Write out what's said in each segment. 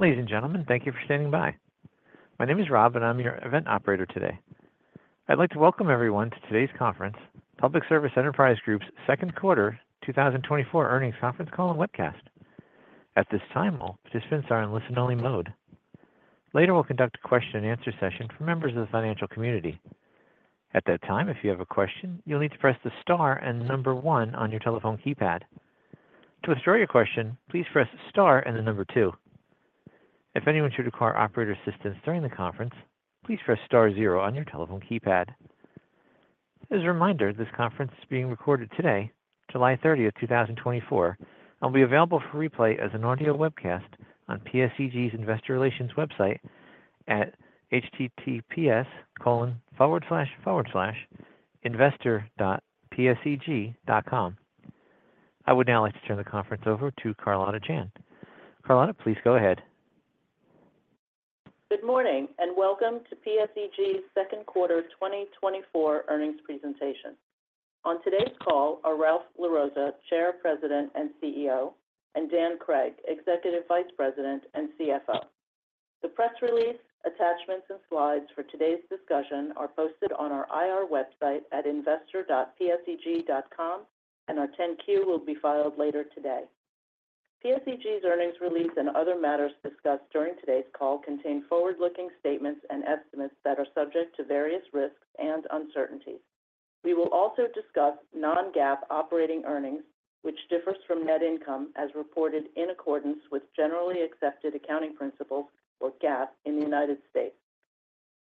Ladies and gentlemen, thank you for standing by. My name is Rob, and I'm your event operator today. I'd like to welcome everyone to today's conference, Public Service Enterprise Group's Second Quarter 2024 Earnings Conference Call and webcast. At this time, all participants are in listen-only mode. Later, we'll conduct a question-and-answer session for members of the financial community. At that time, if you have a question, you'll need to press the star and number one on your telephone keypad. To withdraw your question, please press star and the number two. If anyone should require operator assistance during the conference, please press star zero on your telephone keypad. As a reminder, this conference is being recorded today, July 30th, 2024, and will be available for replay as an audio webcast on PSEG's Investor Relations website at https://investor.pseg.com. I would now like to turn the conference over to Carlotta Chan. Carlotta, please go ahead. Good morning, and welcome to PSEG's second quarter 2024 earnings presentation. On today's call are Ralph LaRossa, Chair, President, and CEO, and Dan Cregg, Executive Vice President and CFO. The press release, attachments, and slides for today's discussion are posted on our IR website at investor.pseg.com, and our 10-Q will be filed later today. PSEG's earnings release and other matters discussed during today's call contain forward-looking statements and estimates that are subject to various risks and uncertainties. We will also discuss non-GAAP operating earnings, which differs from net income as reported in accordance with generally accepted accounting principles, or GAAP, in the United States.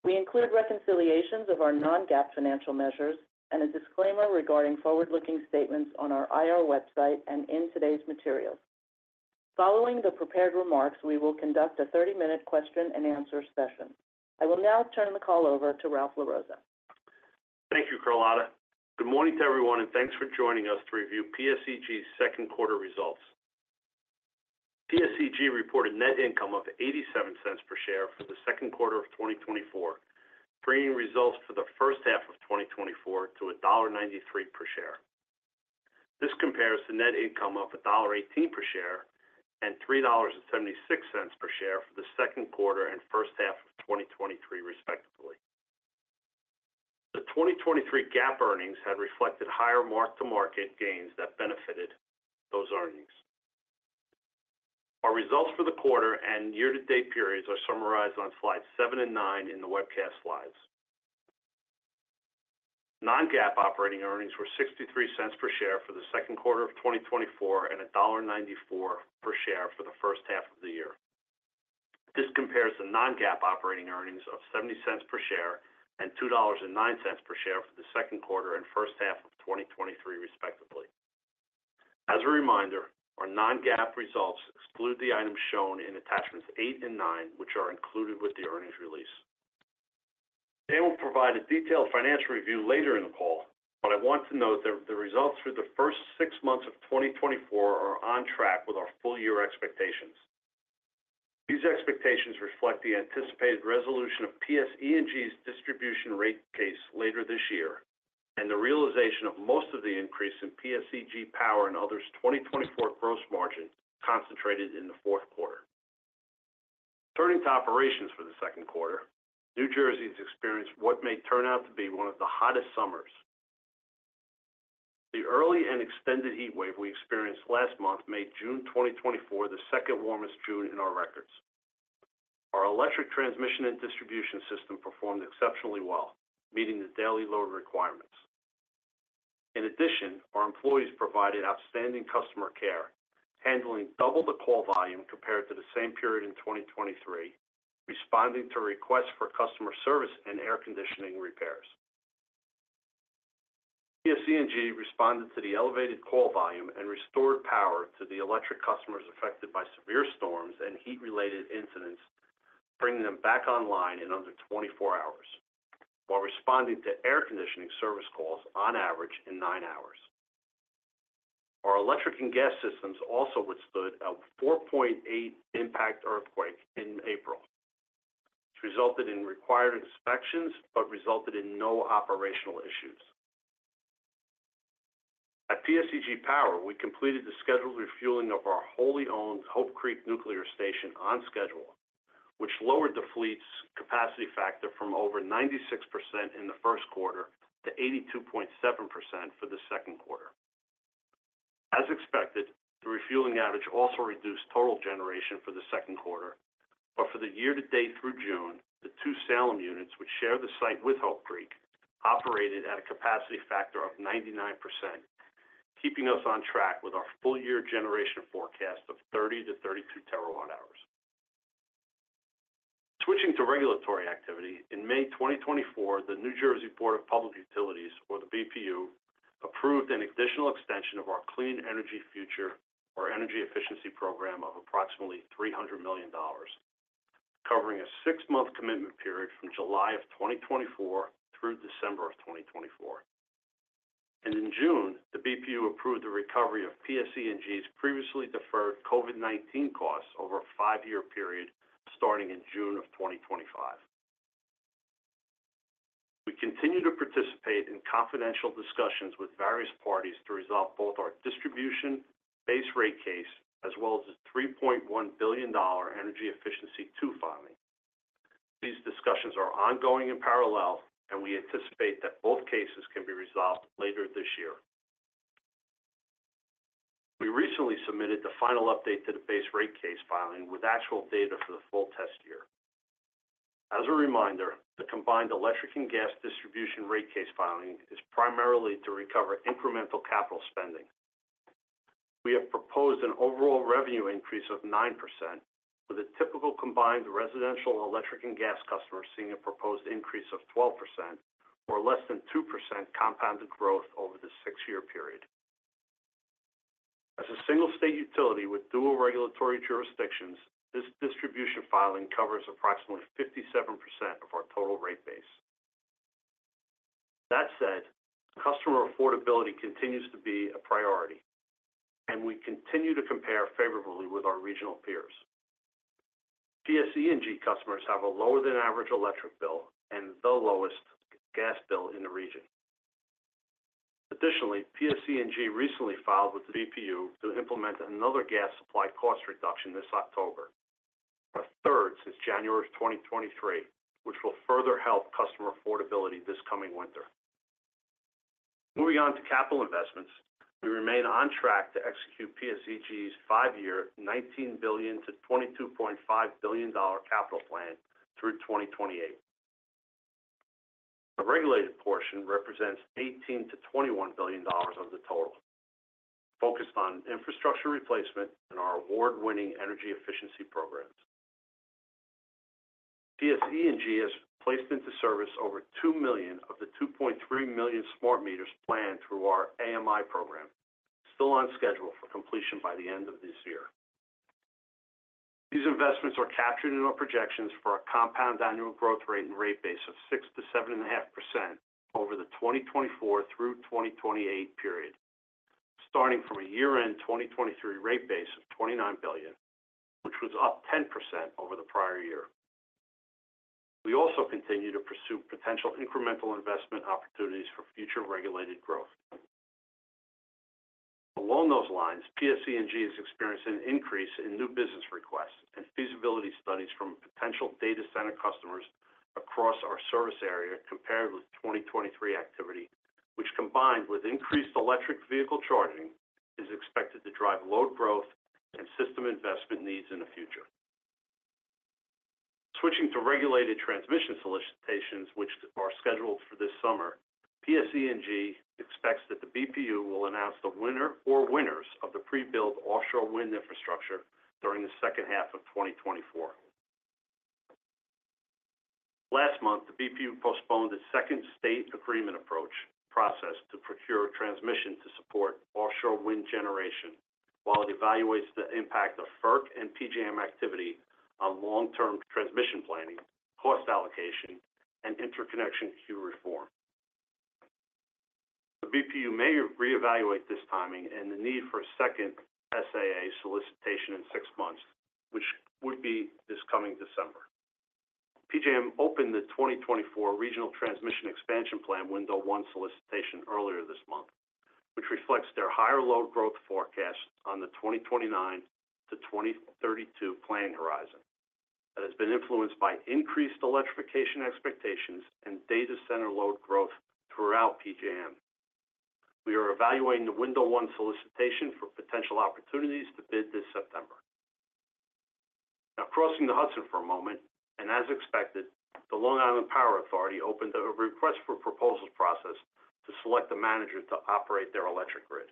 We include reconciliations of our non-GAAP financial measures and a disclaimer regarding forward-looking statements on our IR website and in today's materials. Following the prepared remarks, we will conduct a 30-minute question-and-answer session. I will now turn the call over to Ralph LaRossa. Thank you, Carlotta. Good morning to everyone, and thanks for joining us to review PSEG's second quarter results. PSEG reported net income of $0.87 per share for the second quarter of 2024, bringing results for the first half of 2024 to $1.93 per share. This compares to net income of $1.18 per share and $3.76 per share for the second quarter and first half of 2023, respectively. The 2023 GAAP earnings had reflected higher mark-to-market gains that benefited those earnings. Our results for the quarter and year-to-date periods are summarized on slides seven and nine in the webcast slides. Non-GAAP operating earnings were $0.63 per share for the second quarter of 2024 and $1.94 per share for the first half of the year. This compares to non-GAAP operating earnings of $0.70 per share and $2.09 per share for the second quarter and first half of 2023, respectively. As a reminder, our non-GAAP results exclude the items shown in attachments eight and nine, which are included with the earnings release. Dan will provide a detailed financial review later in the call, but I want to note that the results for the first six months of 2024 are on track with our full year expectations. These expectations reflect the anticipated resolution of PSE&G's distribution rate case later this year, and the realization of most of the increase in PSEG Power and Other's 2024 gross margin concentrated in the fourth quarter. Turning to operations for the second quarter, New Jersey has experienced what may turn out to be one of the hottest summers. The early and extended heat wave we experienced last month made June 2024 the second warmest June in our records. Our electric transmission and distribution system performed exceptionally well, meeting the daily load requirements. In addition, our employees provided outstanding customer care, handling double the call volume compared to the same period in 2023, responding to requests for customer service and air conditioning repairs. PSE&G responded to the elevated call volume and restored power to the electric customers affected by severe storms and heat-related incidents, bringing them back online in under 24 hours, while responding to air conditioning service calls on average in 9 hours. Our electric and gas systems also withstood a 4.8 impact earthquake in April, which resulted in required inspections but resulted in no operational issues. At PSEG Power, we completed the scheduled refueling of our wholly-owned Hope Creek Nuclear Station on schedule, which lowered the fleet's capacity factor from over 96% in the first quarter to 82.7% for the second quarter. As expected, the refueling outage also reduced total generation for the second quarter, but for the year-to-date through June, the two Salem units, which share the site with Hope Creek, operated at a capacity factor of 99%, keeping us on track with our full-year generation forecast of 30 TWh-32 TWh. Switching to regulatory activity, in May 2024, the New Jersey Board of Public Utilities, or the BPU, approved an additional extension of our Clean Energy Future or energy efficiency program of approximately $300 million, covering a six-month commitment period from July 2024 through December 2024. In June, the BPU approved the recovery of PSE&G's previously deferred COVID-19 costs over a 5-year period, starting in June of 2025. We continue to participate in confidential discussions with various parties to resolve both our distribution base rate case, as well as the $3.1 billion Energy Efficiency II filing. These discussions are ongoing and parallel, and we anticipate that both cases can be resolved later this year. We recently submitted the final update to the base rate case filing with actual data for the full test year. As a reminder, the combined electric and gas distribution rate case filing is primarily to recover incremental capital spending. We have proposed an overall revenue increase of 9%, with a typical combined residential, electric, and gas customer seeing a proposed increase of 12% or less than 2% compounded growth over the 6-year period. As a single-state utility with dual regulatory jurisdictions, this distribution filing covers approximately 57% of our total rate base. That said, customer affordability continues to be a priority, and we continue to compare favorably with our regional peers. PSE&G customers have a lower-than-average electric bill and the lowest gas bill in the region. Additionally, PSE&G recently filed with the BPU to implement another gas supply cost reduction this October. Our third since January 2023, which will further help customer affordability this coming winter. Moving on to capital investments, we remain on track to execute PSEG's 5-year, $19 billion-$22.5 billion capital plan through 2028. The regulated portion represents $18 billion-$21 billion of the total, focused on infrastructure replacement and our award-winning energy efficiency programs. PSE&G has placed into service over 2 million of the 2.3 million smart meters planned through our AMI program, still on schedule for completion by the end of this year. These investments are captured in our projections for a compound annual growth rate and rate base of 6%-7.5% over the 2024-2028 period, starting from a year-end 2023 rate base of $29 billion, which was up 10% over the prior year. We also continue to pursue potential incremental investment opportunities for future regulated growth. Along those lines, PSE&G is experiencing an increase in new business requests and feasibility studies from potential data center customers across our service area compared with 2023 activity, which, combined with increased electric vehicle charging, is expected to drive load growth and system investment needs in the future. Switching to regulated transmission solicitations, which are scheduled for this summer, PSE&G expects that the BPU will announce the winner or winners of the pre-build offshore wind infrastructure during the second half of 2024. Last month, the BPU postponed a second State Agreement Approach process to procure transmission to support offshore wind generation, while it evaluates the impact of FERC and PJM activity on long-term transmission planning, cost allocation, and interconnection queue reform. The BPU may reevaluate this timing and the need for a second SAA solicitation in six months, which would be this coming December. PJM opened the 2024 Regional Transmission Expansion Plan Window 1 solicitation earlier this month, which reflects their higher load growth forecast on the 2029 to 2032 planning horizon. That has been influenced by increased electrification expectations and data center load growth throughout PJM. We are evaluating the Window 1 solicitation for potential opportunities to bid this September. Now, crossing the Hudson for a moment, and as expected, the Long Island Power Authority opened a request for proposals process to select a manager to operate their electric grid.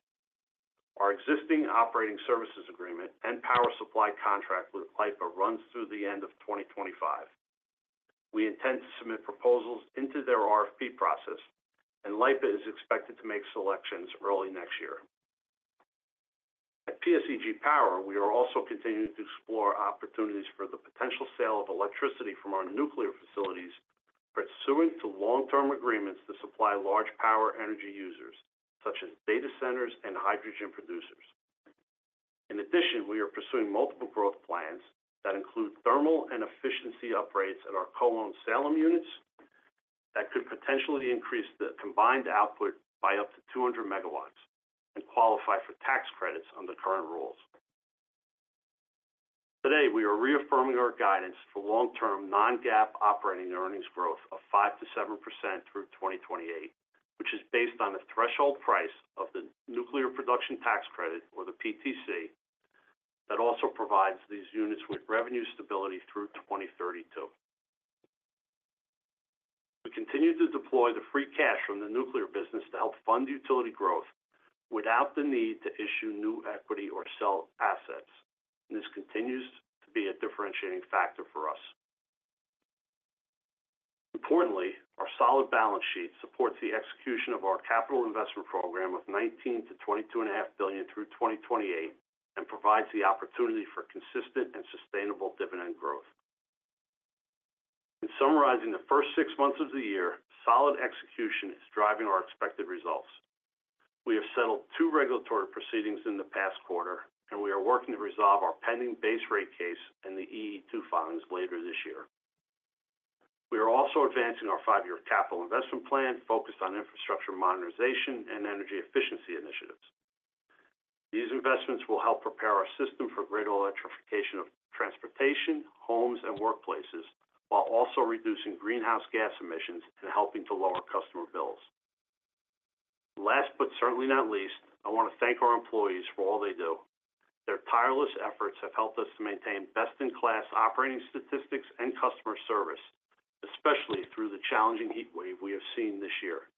Our existing operating services agreement and power supply contract with LIPA runs through the end of 2025. We intend to submit proposals into their RFP process, and LIPA is expected to make selections early next year. At PSEG Power, we are also continuing to explore opportunities for the potential sale of electricity from our nuclear facilities, pursuing to long-term agreements to supply large power energy users, such as data centers and hydrogen producers. In addition, we are pursuing multiple growth plans that include thermal and efficiency upgrades at our co-owned Salem units that could potentially increase the combined output by up to 200 MW and qualify for tax credits under current rules. Today, we are reaffirming our guidance for long-term non-GAAP operating earnings growth of 5%-7% through 2028, which is based on the threshold price of the nuclear production tax credit, or the PTC, that also provides these units with revenue stability through 2032. We continue to deploy the free cash from the nuclear business to help fund utility growth without the need to issue new equity or sell assets, and this continues to be a differentiating factor for us. Importantly, our solid balance sheet supports the execution of our capital investment program of $19 billion-$22.5 billion through 2028, and provides the opportunity for consistent and sustainable dividend growth. In summarizing the first six months of the year, solid execution is driving our expected results. We have settled two regulatory proceedings in the past quarter, and we are working to resolve our pending base rate case and the EE II filings later this year. We are also advancing our 5-year capital investment plan, focused on infrastructure modernization and energy efficiency initiatives. These investments will help prepare our system for greater electrification of transportation, homes, and workplaces, while also reducing greenhouse gas emissions and helping to lower customer bills. Last, but certainly not least, I want to thank our employees for all they do. Their tireless efforts have helped us to maintain best-in-class operating statistics and customer service, especially through the challenging heatwave we have seen this year.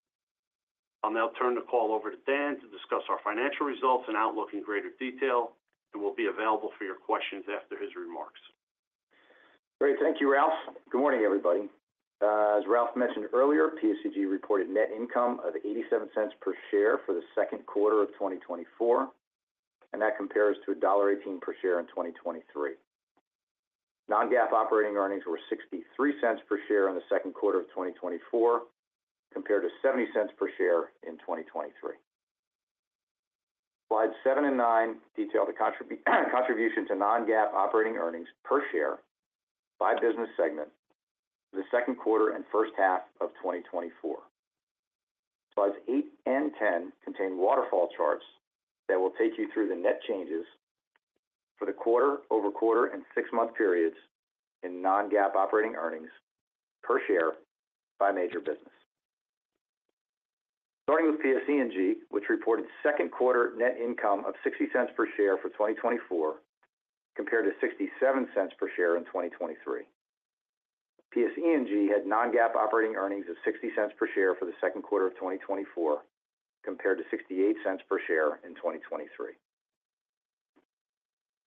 I'll now turn the call over to Dan to discuss our financial results and outlook in greater detail, and we'll be available for your questions after his remarks. Great. Thank you, Ralph. Good morning, everybody. As Ralph mentioned earlier, PSEG reported net income of $0.87 per share for the second quarter of 2024, and that compares to $1.18 per share in 2023. Non-GAAP operating earnings were $0.63 per share in the second quarter of 2024, compared to $0.70 per share in 2023. Slides seven and nine detail the contribution to non-GAAP operating earnings per share by business segment for the second quarter and first half of 2024. Slides eight and 10 contain waterfall charts that will take you through the net changes for the quarter-over-quarter and six-month periods in non-GAAP operating earnings per share by major business. Starting with PSE&G, which reported second quarter net income of $0.60 per share for 2024, compared to $0.67 per share in 2023. PSE&G had non-GAAP operating earnings of $0.60 per share for the second quarter of 2024, compared to $0.68 per share in 2023.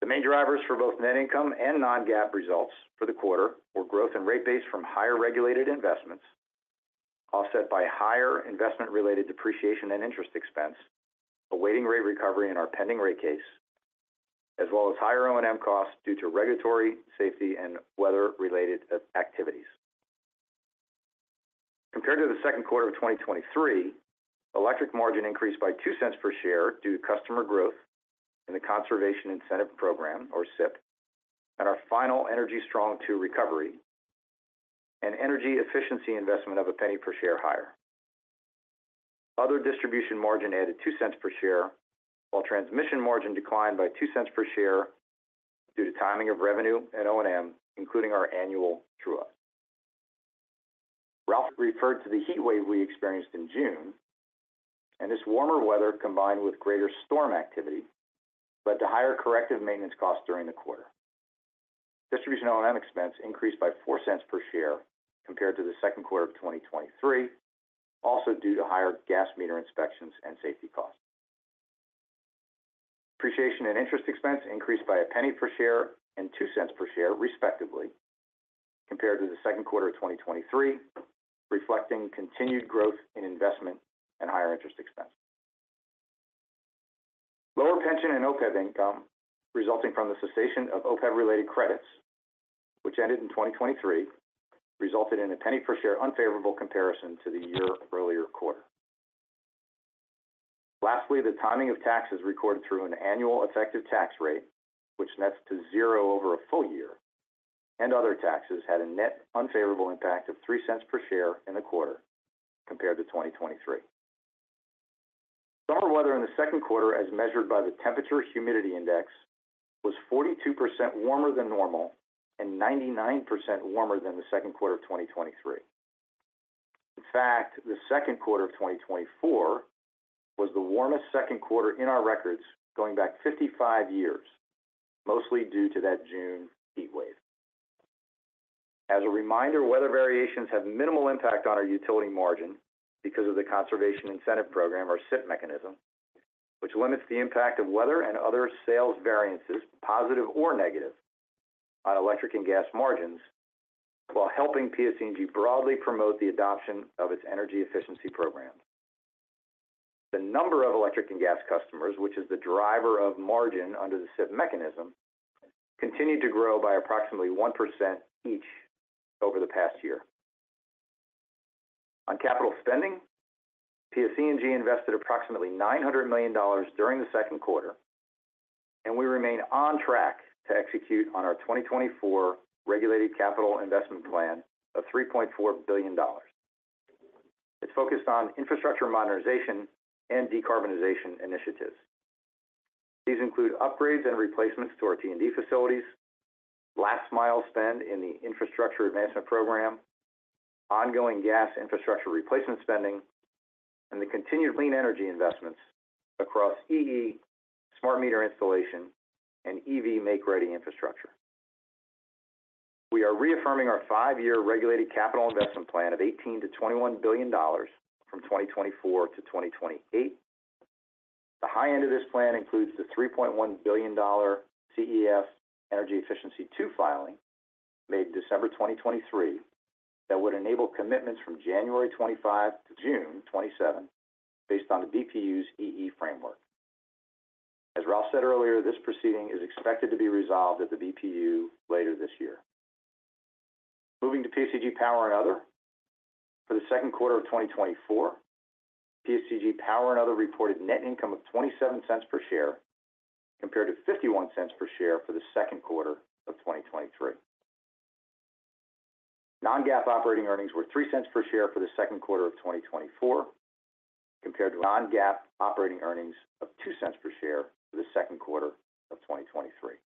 The main drivers for both net income and non-GAAP results for the quarter were growth in rate base from higher regulated investments, offset by higher investment-related depreciation and interest expense, awaiting rate recovery in our pending rate case, as well as higher O&M costs due to regulatory, safety, and weather-related activities. Compared to the second quarter of 2023, electric margin increased by $0.02 per share due to customer growth in the Conservation Incentive Program, or CIP, and our final Energy Strong II recovery, an energy efficiency investment of $0.01 per share higher. Other distribution margin added $0.02 per share, while transmission margin declined by $0.02 per share due to timing of revenue and O&M, including our annual true-up. Ralph referred to the heat wave we experienced in June, and this warmer weather, combined with greater storm activity, led to higher corrective maintenance costs during the quarter. Distribution O&M expense increased by $0.04 per share compared to the second quarter of 2023, also due to higher gas meter inspections and safety costs. Depreciation and interest expense increased by $0.01 per share and $0.02 per share, respectively, compared to the second quarter of 2023, reflecting continued growth in investment and higher interest expense. Lower pension and OPEB income, resulting from the cessation of OPEB-related credits, which ended in 2023, resulted in $0.01 per share unfavorable comparison to the year earlier quarter. Lastly, the timing of taxes recorded through an annual effective tax rate, which nets to zero over a full year, and other taxes had a net unfavorable impact of $0.03 per share in the quarter compared to 2023. Summer weather in the second quarter, as measured by the temperature humidity index, was 42% warmer than normal and 99% warmer than the second quarter of 2023. In fact, the second quarter of 2024 was the warmest second quarter in our records going back 55 years, mostly due to that June heatwave. As a reminder, weather variations have minimal impact on our utility margin because of the Conservation Incentive Program, or CIP mechanism, which limits the impact of weather and other sales variances, positive or negative, on electric and gas margins, while helping PSE&G broadly promote the adoption of its energy efficiency programs. The number of electric and gas customers, which is the driver of margin under the CIP mechanism, continued to grow by approximately 1% each over the past year. On capital spending, PSE&G invested approximately $900 million during the second quarter, and we remain on track to execute on our 2024 regulated capital investment plan of $3.4 billion. It's focused on infrastructure modernization and decarbonization initiatives. These include upgrades and replacements to our T&D facilities, last mile spend in the Infrastructure Advancement Program, ongoing gas infrastructure replacement spending, and the continued clean energy investments across EE, smart meter installation, and EV make-ready infrastructure. We are reaffirming our 5-year regulated capital investment plan of $18 billion-$21 billion from 2024-2028. The high end of this plan includes the $3.1 billion CEF Energy Efficiency II filing, made December 2023, that would enable commitments from January 2025 to June 2027, based on the BPU's EE framework. As Ralph said earlier, this proceeding is expected to be resolved at the BPU later this year. Moving to PSEG Power and Other. For the second quarter of 2024, PSEG Power and Other reported net income of $0.27 per share, compared to $0.51 per share for the second quarter of 2023. Non-GAAP operating earnings were $0.03 per share for the second quarter of 2024, compared to non-GAAP operating earnings of $0.02 per share for the second quarter of 2023.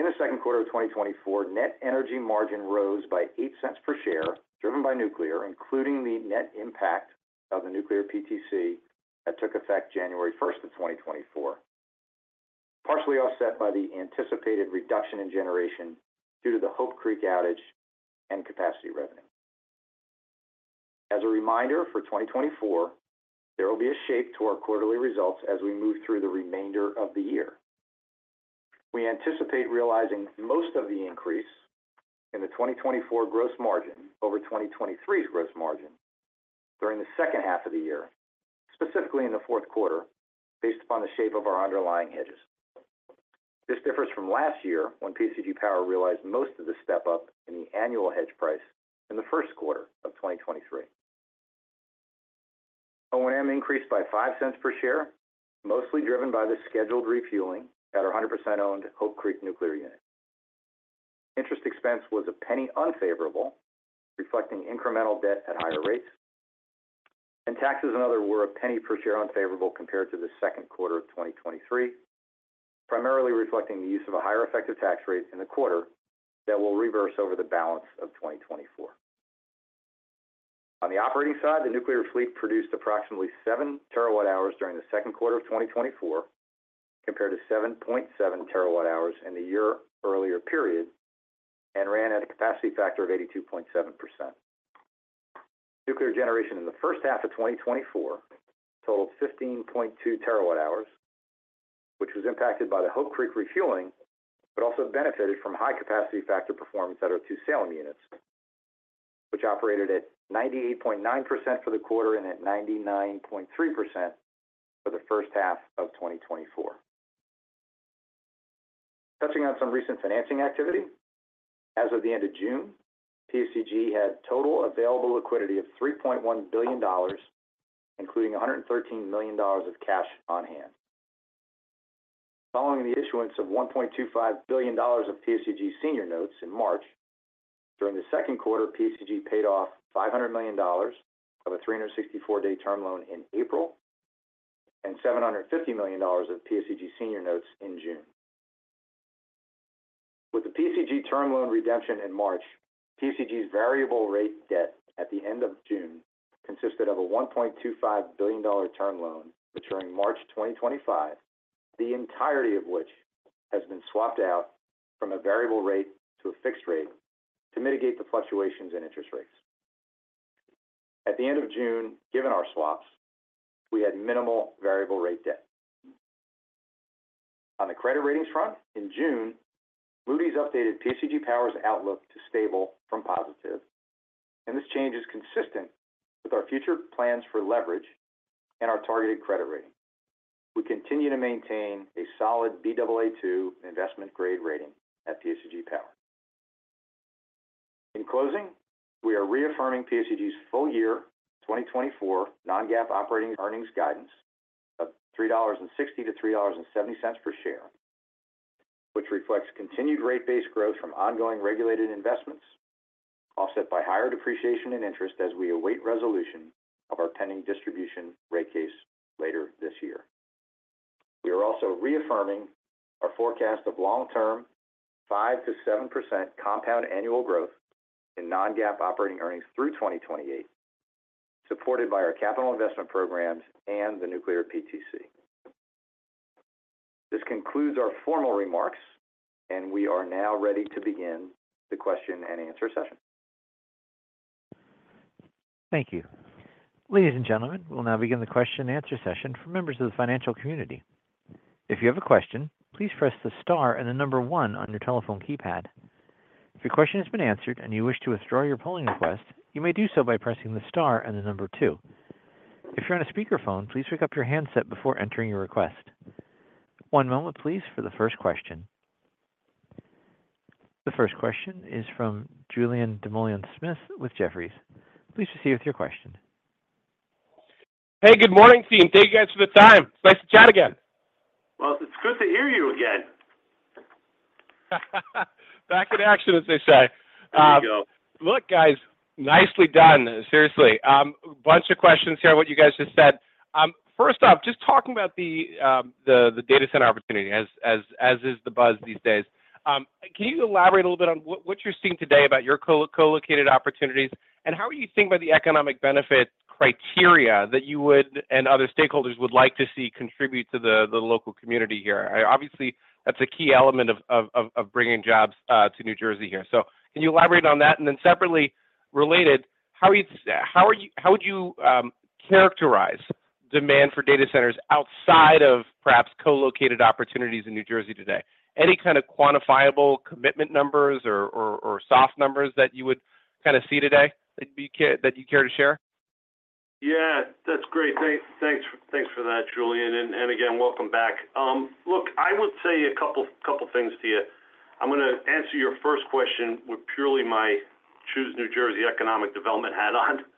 In the second quarter of 2024, net energy margin rose by $0.08 per share, driven by nuclear, including the net impact of the nuclear PTC that took effect January 1st of 2024, partially offset by the anticipated reduction in generation due to the Hope Creek outage and capacity revenue. As a reminder, for 2024, there will be a shape to our quarterly results as we move through the remainder of the year. We anticipate realizing most of the increase in the 2024 gross margin over 2023's gross margin during the second half of the year, specifically in the fourth quarter, based upon the shape of our underlying hedges. This differs from last year, when PSEG Power realized most of the step-up in the annual hedge price in the first quarter of 2023. O&M increased by $0.05 per share, mostly driven by the scheduled refueling at our 100% owned Hope Creek Nuclear Unit. Interest expense was $0.01 unfavorable, reflecting incremental debt at higher rates, and taxes and other were $0.01 per share unfavorable compared to the second quarter of 2023, primarily reflecting the use of a higher effective tax rate in the quarter that will reverse over the balance of 2024. On the operating side, the nuclear fleet produced approximately 7 TWh during the second quarter of 2024, compared to 7.7 TWh in the year earlier period, and ran at a capacity factor of 82.7%. Nuclear generation in the first half of 2024 totaled 15.2 TWh, which was impacted by the Hope Creek refueling, but also benefited from high capacity factor performance at our two Salem units, which operated at 98.9% for the quarter and at 99.3% for the first half of 2024. Touching on some recent financing activity, as of the end of June, PSEG had total available liquidity of $3.1 billion, including $113 million of cash on hand. Following the issuance of $1.25 billion of PSEG senior notes in March, during the second quarter, PSEG paid off $500 million of a 364-day term loan in April and $750 million of PSEG senior notes in June. With the PSEG term loan redemption in March, PSEG's variable rate debt at the end of June consisted of a $1.25 billion term loan, maturing March 2025, the entirety of which has been swapped out from a variable rate to a fixed rate to mitigate the fluctuations in interest rates. At the end of June, given our swaps, we had minimal variable rate debt. On the credit ratings front, in June, Moody's updated PSEG Power's outlook to stable from positive, and this change is consistent with our future plans for leverage and our targeted credit rating. We continue to maintain a solid Baa2 investment grade rating at PSEG Power. In closing, we are reaffirming PSEG's full-year 2024 non-GAAP operating earnings guidance of $3.60-$3.70 per share, which reflects continued rate-based growth from ongoing regulated investments, offset by higher depreciation and interest as we await resolution of our pending distribution rate case later this year. We are also reaffirming our forecast of long-term 5%-7% compound annual growth in non-GAAP operating earnings through 2028, supported by our capital investment programs and the nuclear PTC. This concludes our formal remarks, and we are now ready to begin the question and answer session. Thank you. Ladies and gentlemen, we'll now begin the question and answer session for members of the financial community. If you have a question, please press the star and the number one on your telephone keypad. If your question has been answered and you wish to withdraw your polling request, you may do so by pressing the star and the number two. If you're on a speakerphone, please pick up your handset before entering your request. One moment, please, for the first question. The first question is from Julien Dumoulin-Smith with Jefferies. Please proceed with your question. Hey, good morning, team. Thank you, guys, for the time. It's nice to chat again. Well, it's good to hear you again. Back in action, as they say. There you go. Look, guys, nicely done. Seriously, a bunch of questions here, what you guys just said. First off, just talking about the data center opportunity as is the buzz these days. Can you elaborate a little bit on what you're seeing today about your co-located opportunities, and how are you thinking about the economic benefit criteria that you would, and other stakeholders would like to see contribute to the local community here? Obviously, that's a key element of bringing jobs to New Jersey here. So can you elaborate on that? And then separately related, how would you characterize demand for data centers outside of perhaps co-located opportunities in New Jersey today? Any kind of quantifiable commitment numbers or soft numbers that you would kind of see today that you'd care to share? ...Yeah, that's great. Thanks, thanks for that, Julien, and again, welcome back. Look, I would say a couple things to you. I'm gonna answer your first question with purely my Choose New Jersey economic development hat on.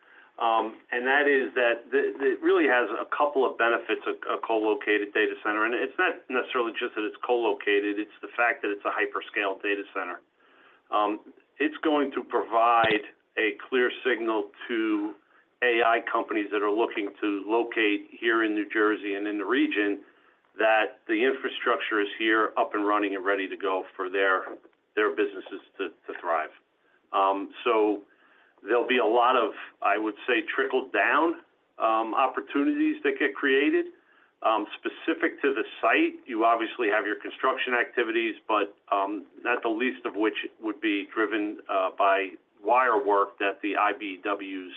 And that is that it really has a couple of benefits, a co-located data center, and it's not necessarily just that it's co-located, it's the fact that it's a hyperscale data center. It's going to provide a clear signal to AI companies that are looking to locate here in New Jersey and in the region, that the infrastructure is here, up and running, and ready to go for their businesses to thrive. So there'll be a lot of, I would say, trickle-down opportunities that get created. Specific to the site, you obviously have your construction activities, but not the least of which would be driven by wire work that the IBEWs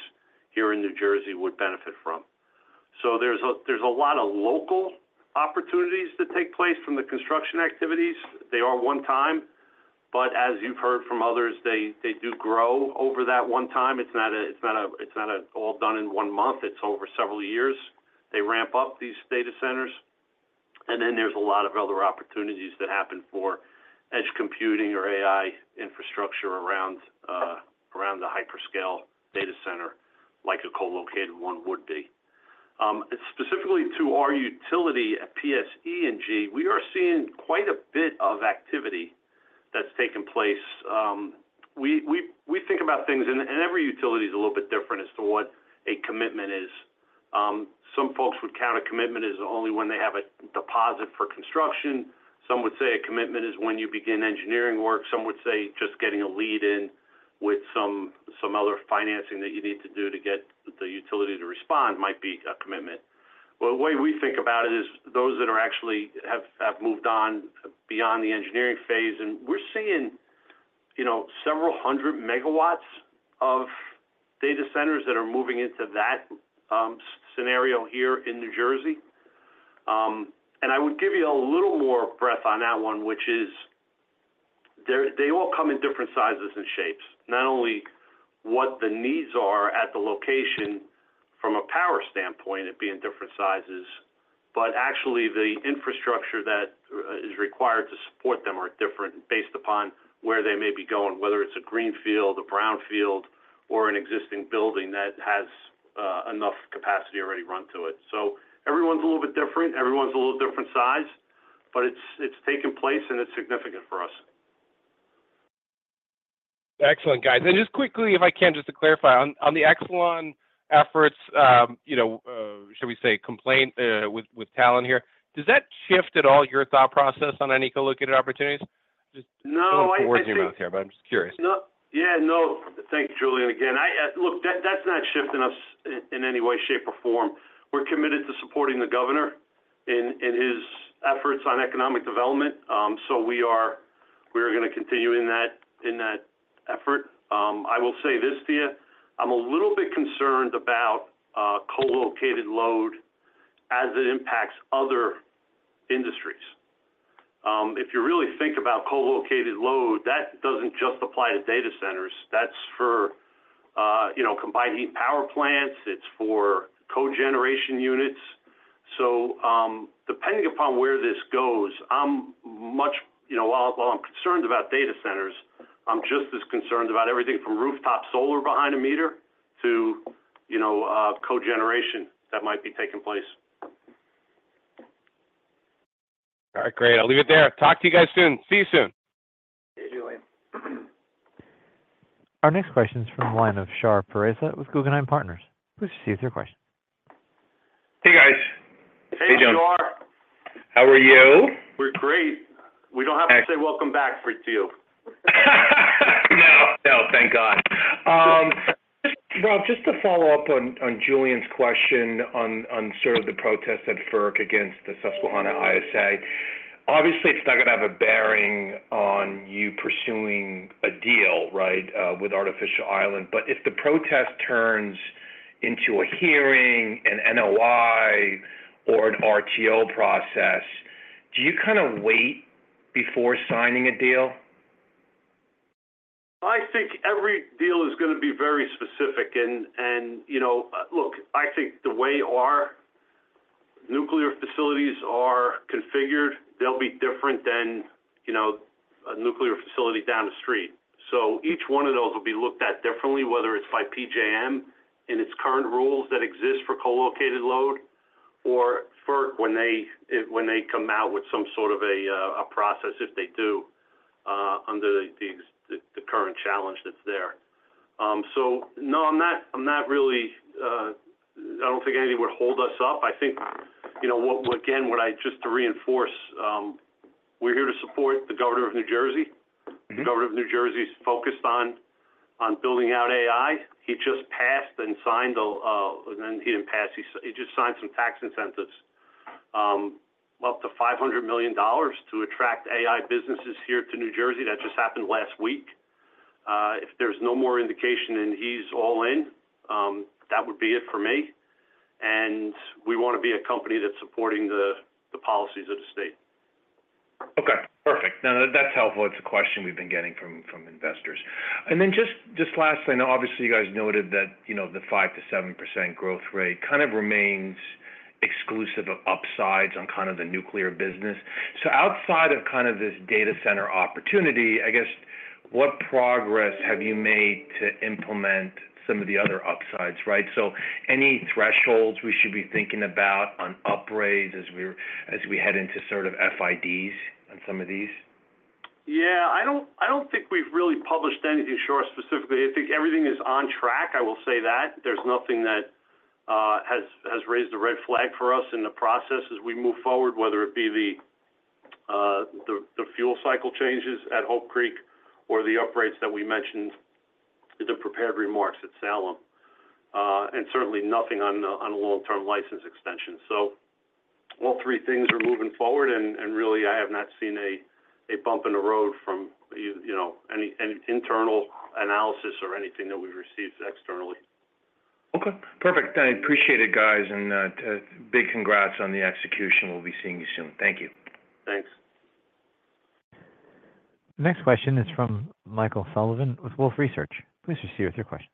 here in New Jersey would benefit from. So there's a lot of local opportunities that take place from the construction activities. They are one time, but as you've heard from others, they do grow over that one time. It's not all done in one month, it's over several years. They ramp up these data centers, and then there's a lot of other opportunities that happen for edge computing or AI infrastructure around the hyperscale data center, like a co-located one would be. Specifically to our utility at PSE&G, we are seeing quite a bit of activity that's taken place. We think about things, and every utility is a little bit different as to what a commitment is. Some folks would count a commitment as only when they have a deposit for construction. Some would say a commitment is when you begin engineering work. Some would say just getting a lead in with some other financing that you need to do to get the utility to respond, might be a commitment. Well, the way we think about it is those that are actually have moved on beyond the engineering phase, and we're seeing, you know, several hundred megawatts of data centers that are moving into that scenario here in New Jersey. And I would give you a little more breadth on that one, which is they all come in different sizes and shapes. Not only what the needs are at the location from a power standpoint, it being different sizes, but actually the infrastructure that is required to support them are different based upon where they may be going, whether it's a greenfield, a brownfield, or an existing building that has enough capacity already run to it. So everyone's a little bit different. Everyone's a little bit different size, but it's taking place, and it's significant for us. Excellent, guys. And just quickly, if I can, just to clarify. On the Exelon efforts, you know, should we say complaint with Talen here, does that shift at all your thought process on any co-located opportunities? Just- No, I think- Putting words in your mouth there, but I'm just curious. No. Yeah, no. Thank you, Julien. Again, I, look, that, that's not shifting us in, in any way, shape, or form. We're committed to supporting the Governor in, in his efforts on economic development. So we are, we are gonna continue in that, in that effort. I will say this to you: I'm a little bit concerned about, co-located load as it impacts other industries. If you really think about co-located load, that doesn't just apply to data centers, that's for, you know, combined heat power plants, it's for cogeneration units. So, depending upon where this goes, I'm much... You know, while, while I'm concerned about data centers, I'm just as concerned about everything from rooftop solar behind a meter to, you know, cogeneration that might be taking place. All right, great. I'll leave it there. Talk to you guys soon. See you soon. See you, Julien. Our next question is from the line of Shar Pourreza with Guggenheim Partners. Please proceed with your question. Hey, guys. Hey, Shar. How are you? We're great. We don't have to say welcome back to you. No, no, thank God. Ralph, just to follow up on Julien's question on sort of the protest at FERC against the Susquehanna ISA. Obviously, it's not gonna have a bearing on you pursuing a deal, right, with Artificial Island, but if the protest turns into a hearing, an NOI or an RTO process, do you kind of wait before signing a deal? I think every deal is gonna be very specific and, you know, look, I think the way our nuclear facilities are configured, they'll be different than, you know, a nuclear facility down the street. So each one of those will be looked at differently, whether it's by PJM and its current rules that exist for co-located load, or FERC, when they come out with some sort of a process, if they do, under the current challenge that's there. So no, I'm not really. I don't think anything would hold us up. I think, you know, what, again, what I just to reinforce, we're here to support the governor of New Jersey. Mm-hmm. The governor of New Jersey is focused on building out AI. He just passed and signed a, he didn't pass, he just signed some tax incentives up to $500 million to attract AI businesses here to New Jersey. That just happened last week. If there's no more indication, and he's all in, that would be it for me, and we want to be a company that's supporting the policies of the state.... No, no, that's helpful. It's a question we've been getting from, from investors. And then just, just lastly, I know obviously you guys noted that, you know, the 5%-7% growth rate kind of remains exclusive of upsides on kind of the nuclear business. So outside of kind of this data center opportunity, I guess, what progress have you made to implement some of the other upsides, right? So any thresholds we should be thinking about on upgrades as we head into sort of FIDs on some of these? Yeah, I don't think we've really published anything sure, specifically. I think everything is on track, I will say that. There's nothing that has raised a red flag for us in the process as we move forward, whether it be the fuel cycle changes at Hope Creek or the upgrades that we mentioned in the prepared remarks at Salem. And certainly nothing on the long-term license extension. So all three things are moving forward and really, I have not seen a bump in the road from you know any internal analysis or anything that we've received externally. Okay, perfect. I appreciate it, guys, and big congrats on the execution. We'll be seeing you soon. Thank you. Thanks. The next question is from Michael Sullivan with Wolfe Research. Please proceed with your question.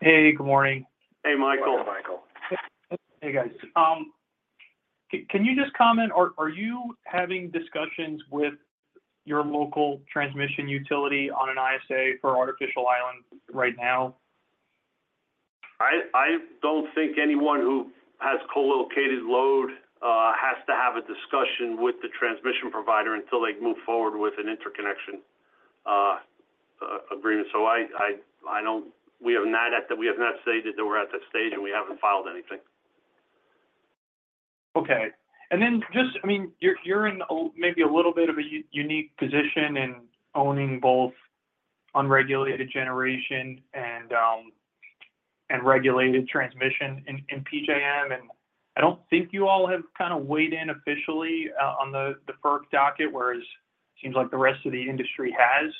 Hey, good morning. Hey, Michael. Hey, Michael. Hey, guys. Can you just comment, are you having discussions with your local transmission utility on an ISA for Artificial Island right now? I don't think anyone who has co-located load has to have a discussion with the transmission provider until they move forward with an interconnection agreement. So I don't—we have not stated that we're at that stage, and we haven't filed anything. Okay. And then just, I mean, you're, you're in a maybe a little bit of a unique position in owning both unregulated generation and, and regulated transmission in, in PJM, and I don't think you all have kind of weighed in officially on the FERC docket, whereas it seems like the rest of the industry has.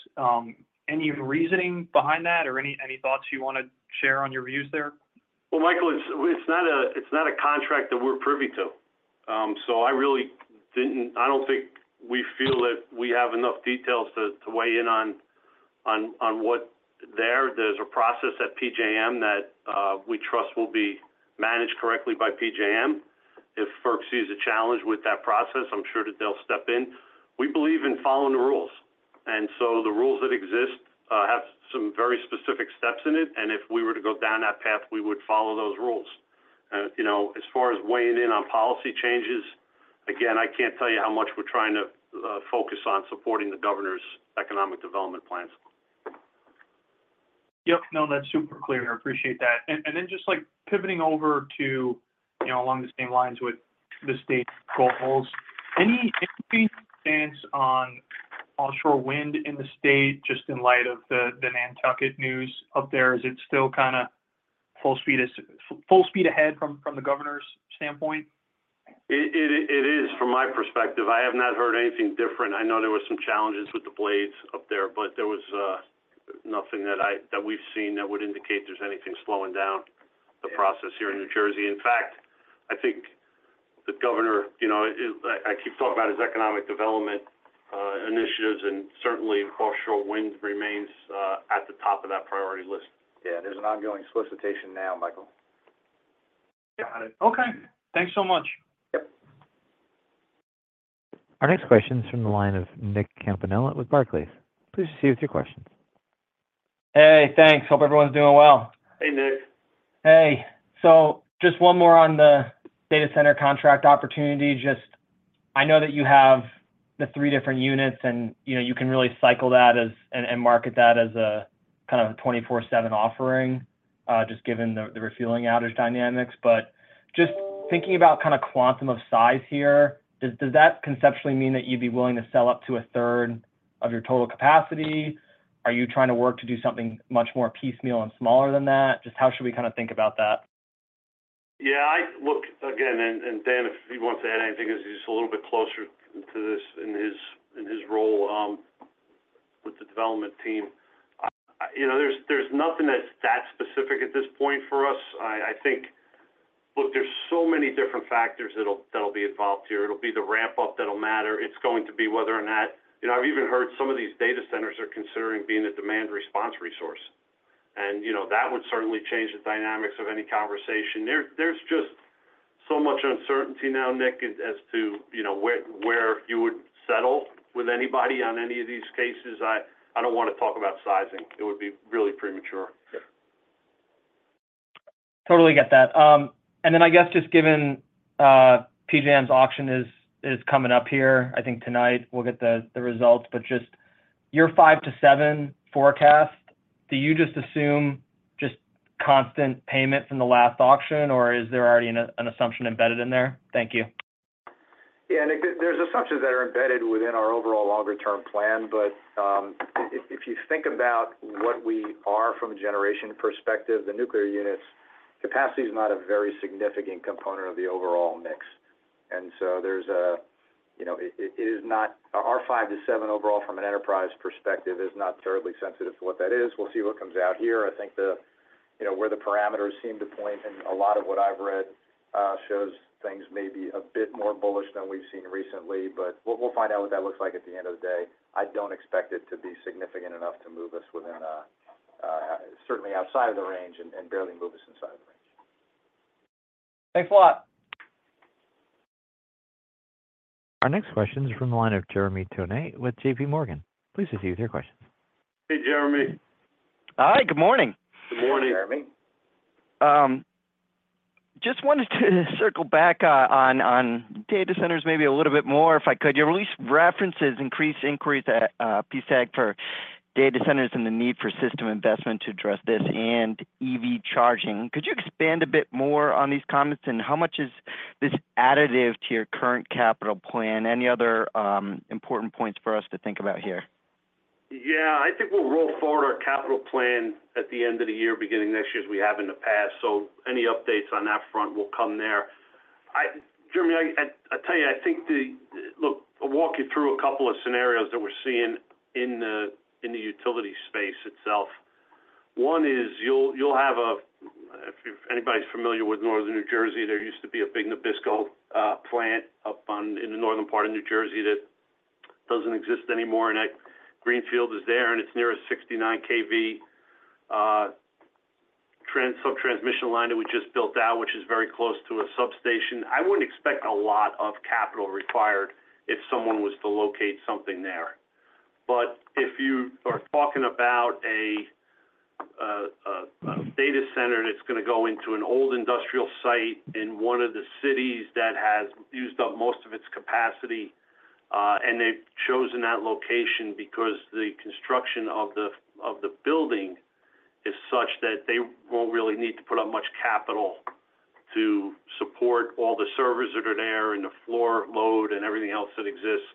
Any reasoning behind that or any, any thoughts you want to share on your views there? Well, Michael, it's not a contract that we're privy to. So I don't think we feel that we have enough details to weigh in on what there. There's a process at PJM that we trust will be managed correctly by PJM. If FERC sees a challenge with that process, I'm sure that they'll step in. We believe in following the rules, and so the rules that exist have some very specific steps in it, and if we were to go down that path, we would follow those rules. And, you know, as far as weighing in on policy changes, again, I can't tell you how much we're trying to focus on supporting the governor's economic development plans. Yep. No, that's super clear. I appreciate that. And then just, like, pivoting over to, you know, along the same lines with the state's goals, any stance on offshore wind in the state, just in light of the Nantucket news up there? Is it still kind of full speed ahead from the Governor's standpoint? It is from my perspective. I have not heard anything different. I know there were some challenges with the blades up there, but there was nothing that we've seen that would indicate there's anything slowing down the process here in New Jersey. In fact, I think the governor, you know, is—I keep talking about his economic development initiatives, and certainly offshore wind remains at the top of that priority list. Yeah, there's an ongoing solicitation now, Michael. Got it. Okay. Thanks so much. Yep. Our next question is from the line of Nick Campanella with Barclays. Please proceed with your questions. Hey, thanks. Hope everyone's doing well. Hey, Nick. Hey. So just one more on the data center contract opportunity. Just... I know that you have the three different units, and, you know, you can really cycle that as, and market that as a kind of a 24/7 offering, just given the refueling outage dynamics. But just thinking about kind of quantum of size here, does that conceptually mean that you'd be willing to sell up to a third of your total capacity? Are you trying to work to do something much more piecemeal and smaller than that? Just how should we kind of think about that? Yeah, I look, again, and Dan, if he wants to add anything, because he's a little bit closer to this in his role with the development team. You know, there's nothing that's that specific at this point for us. I think. Look, there's so many different factors that'll be involved here. It'll be the ramp-up that'll matter. It's going to be whether or not. You know, I've even heard some of these data centers are considering being a demand response resource. And, you know, that would certainly change the dynamics of any conversation. There's just so much uncertainty now, Nick, as to, you know, where you would settle with anybody on any of these cases. I don't want to talk about sizing. It would be really premature. Yeah. Totally get that. And then I guess just given PJM's auction is coming up here, I think tonight we'll get the results, but just your 5-7 forecast, do you just assume just constant payment from the last auction, or is there already an assumption embedded in there? Thank you. Yeah, Nick, there's assumptions that are embedded within our overall longer-term plan, but if you think about what we are from a generation perspective, the nuclear units, capacity is not a very significant component of the overall mix. And so, you know, it is not our 5-7 overall from an enterprise perspective is not terribly sensitive to what that is. We'll see what comes out here. I think, you know, where the parameters seem to point, and a lot of what I've read shows things may be a bit more bullish than we've seen recently. But we'll find out what that looks like at the end of the day. I don't expect it to be significant enough to move us within, certainly outside of the range and barely move us inside of the range. Thanks a lot. Our next question is from the line of Jeremy Tonet with JPMorgan. Please proceed with your question. Hey, Jeremy. Hi, good morning. Good morning. Hey, Jeremy. Just wanted to circle back on data centers maybe a little bit more if I could. Your release references increased inquiries at PSEG for data centers and the need for system investment to address this and EV charging. Could you expand a bit more on these comments, and how much is this additive to your current capital plan? Any other important points for us to think about here? Yeah. I think we'll roll forward our capital plan at the end of the year, beginning next year, as we have in the past. So any updates on that front will come there. I, Jeremy, I, I tell you, I think the. Look, I'll walk you through a couple of scenarios that we're seeing in the, in the utility space itself. One is, you'll, you'll have a, if, if anybody's familiar with Northern New Jersey, there used to be a big Nabisco plant up in the northern part of New Jersey that doesn't exist anymore, and that greenfield is there, and it's near a 69 kV subtransmission line that we just built out, which is very close to a substation. I wouldn't expect a lot of capital required if someone was to locate something there. But if you are talking about a data center that's going to go into an old industrial site in one of the cities that has used up most of its capacity, and they've chosen that location because the construction of the building is such that they won't really need to put up much capital to support all the servers that are there and the floor load and everything else that exists,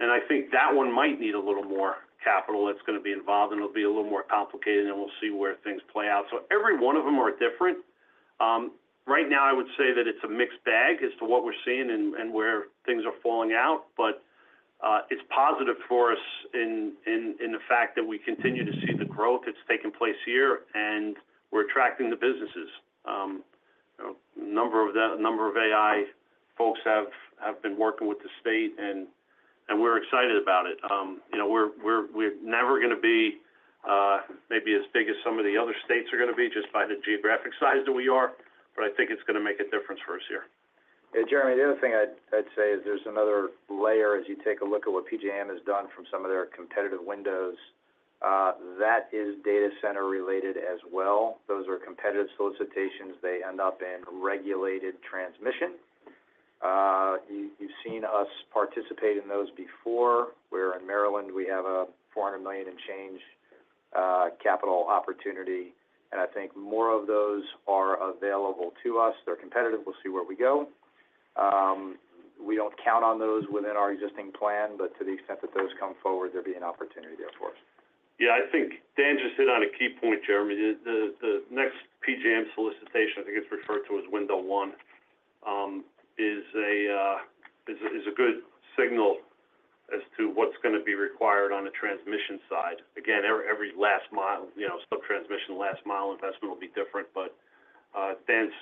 and I think that one might need a little more capital that's going to be involved, and it'll be a little more complicated, and we'll see where things play out. So every one of them are different. Right now, I would say that it's a mixed bag as to what we're seeing and where things are falling out, but it's positive for us in the fact that we continue to see the growth that's taking place here, and we're attracting the businesses. You know, a number of AI folks have been working with the state, and we're excited about it. You know, we're never going to be maybe as big as some of the other states are going to be, just by the geographic size that we are, but I think it's going to make a difference for us here. Yeah, Jeremy, the other thing I'd, I'd say is there's another layer as you take a look at what PJM has done from some of their competitive windows. That is data center related as well. Those are competitive solicitations. They end up in regulated transmission. You, you've seen us participate in those before, where in Maryland, we have a $400 million in change, capital opportunity, and I think more of those are available to us. They're competitive. We'll see where we go. We don't count on those within our existing plan, but to the extent that those come forward, there'll be an opportunity there for us. Yeah, I think Dan just hit on a key point, Jeremy. The next PJM solicitation, I think it's referred to as Window One, is a good signal as to what's going to be required on the transmission side. Again, every last mile, you know, subtransmission, last mile investment will be different, but Dan's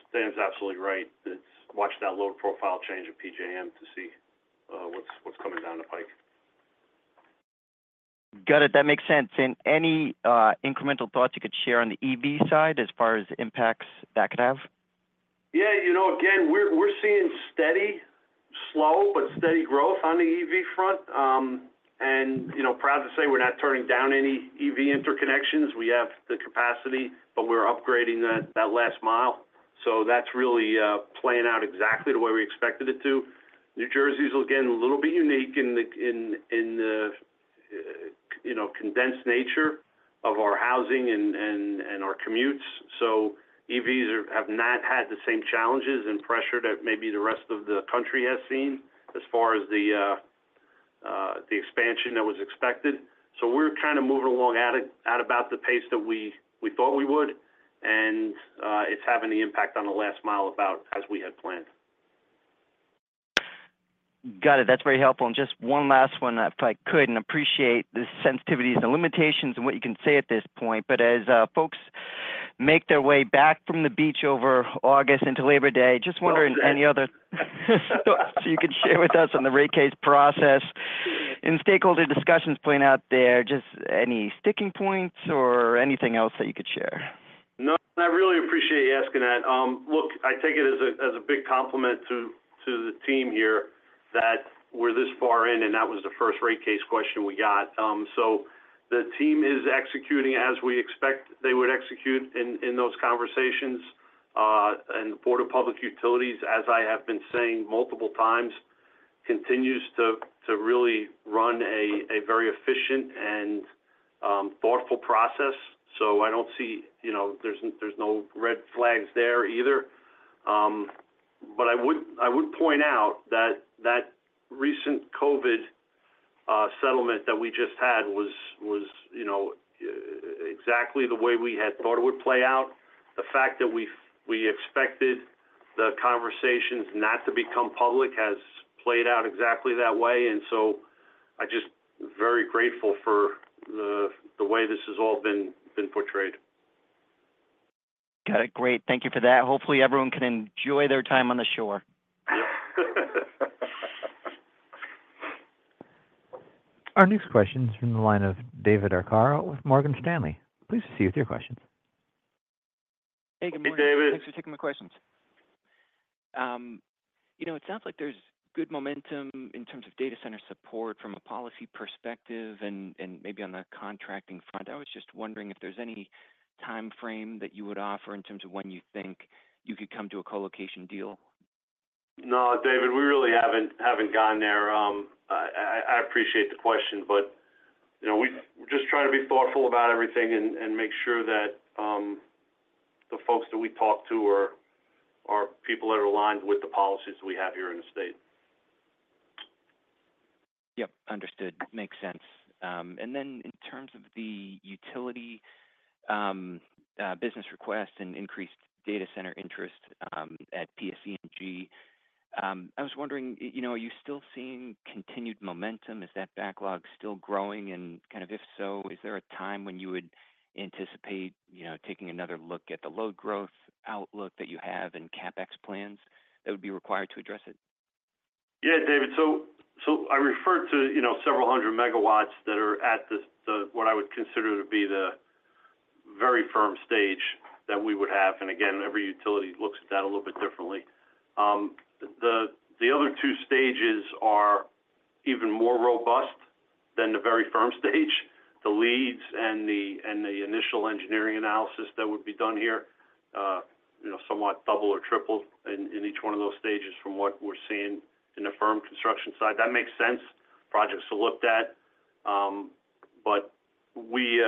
absolutely right. It's watch that load profile change at PJM to see what's coming down the pike. Got it. That makes sense. And any incremental thoughts you could share on the EV side as far as impacts that could have? Yeah, you know, again, we're, we're seeing steady, slow, but steady growth on the EV front. And, you know, proud to say we're not turning down any EV interconnections. We have the capacity, but we're upgrading that, that last mile. So that's really playing out exactly the way we expected it to. New Jersey is, again, a little bit unique in the, you know, condensed nature of our housing and our commutes. So EVs have not had the same challenges and pressure that maybe the rest of the country has seen as far as the expansion that was expected. So we're kind of moving along at about the pace that we, we thought we would, and it's having the impact on the last mile about as we had planned. Got it. That's very helpful. Just one last one, if I could, and appreciate the sensitivities and limitations and what you can say at this point, but as folks make their way back from the beach over August into Labor Day- Oh, great. Just wondering any other thoughts you could share with us on the rate case process. Stakeholder discussions playing out there, just any sticking points or anything else that you could share? No, I really appreciate you asking that. Look, I take it as a big compliment to the team here that we're this far in, and that was the first rate case question we got. So the team is executing as we expect they would execute in those conversations. And the Board of Public Utilities, as I have been saying multiple times, continues to really run a very efficient and thoughtful process. So I don't see, you know, there's no red flags there either. But I would point out that that recent COVID settlement that we just had was, you know, exactly the way we had thought it would play out. The fact that we expected the conversations not to become public has played out exactly that way, and so-... I'm just very grateful for the way this has all been portrayed. Got it. Great. Thank you for that. Hopefully, everyone can enjoy their time on the shore. Our next question is from the line of David Arcaro with Morgan Stanley. Please proceed with your questions. Hey, good morning. Hey, David. Thanks for taking my questions. You know, it sounds like there's good momentum in terms of data center support from a policy perspective and maybe on the contracting front. I was just wondering if there's any timeframe that you would offer in terms of when you think you could come to a co-location deal? No, David, we really haven't gotten there. I appreciate the question, but, you know, we're just trying to be thoughtful about everything and make sure that the folks that we talk to are people that are aligned with the policies we have here in the state. Yep. Understood. Makes sense. And then in terms of the utility, business request and increased data center interest, at PSE&G, I was wondering, you know, are you still seeing continued momentum? Is that backlog still growing? And kind of, if so, is there a time when you would anticipate, you know, taking another look at the load growth outlook that you have and CapEx plans that would be required to address it? Yeah, David. So I referred to, you know, several hundred megawatts that are at this, what I would consider to be the very firm stage that we would have. And again, every utility looks at that a little bit differently. The other two stages are even more robust than the very firm stage. The leads and the initial engineering analysis that would be done here, you know, somewhat double or triple in each one of those stages from what we're seeing in the firm construction side. That makes sense, projects to looked at. But we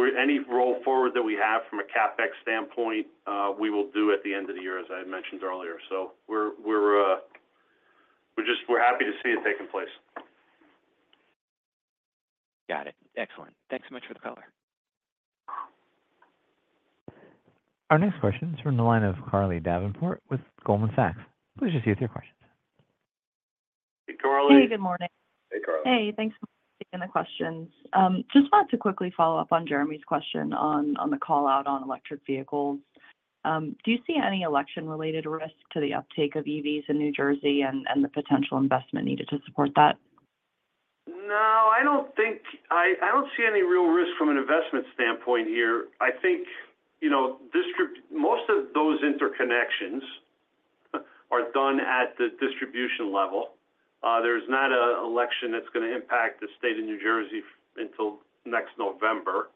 any roll forward that we have from a CapEx standpoint, we will do at the end of the year, as I mentioned earlier. So we're happy to see it taking place. Got it. Excellent. Thanks so much for the color. Our next question is from the line of Carly Davenport with Goldman Sachs. Please proceed with your questions. Hey, Carly. Hey, good morning. Hey, Carly. Hey, thanks for taking the questions. Just wanted to quickly follow up on Jeremy's question on the call out on electric vehicles. Do you see any election-related risk to the uptake of EVs in New Jersey and the potential investment needed to support that? No, I don't think I see any real risk from an investment standpoint here. I think, you know, direct most of those interconnections are done at the distribution level. There's not an election that's gonna impact the state of New Jersey until next November.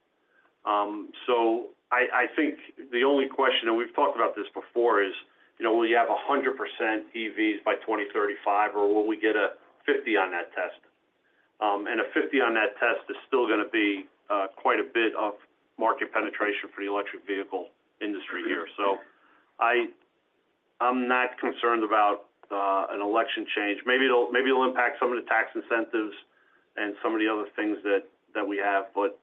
So I think the only question, and we've talked about this before, is, you know, will you have 100% EVs by 2035, or will we get a 50 on that test? And a 50 on that test is still gonna be quite a bit of market penetration for the electric vehicle industry here. So I'm not concerned about an election change. Maybe it'll impact some of the tax incentives and some of the other things that we have, but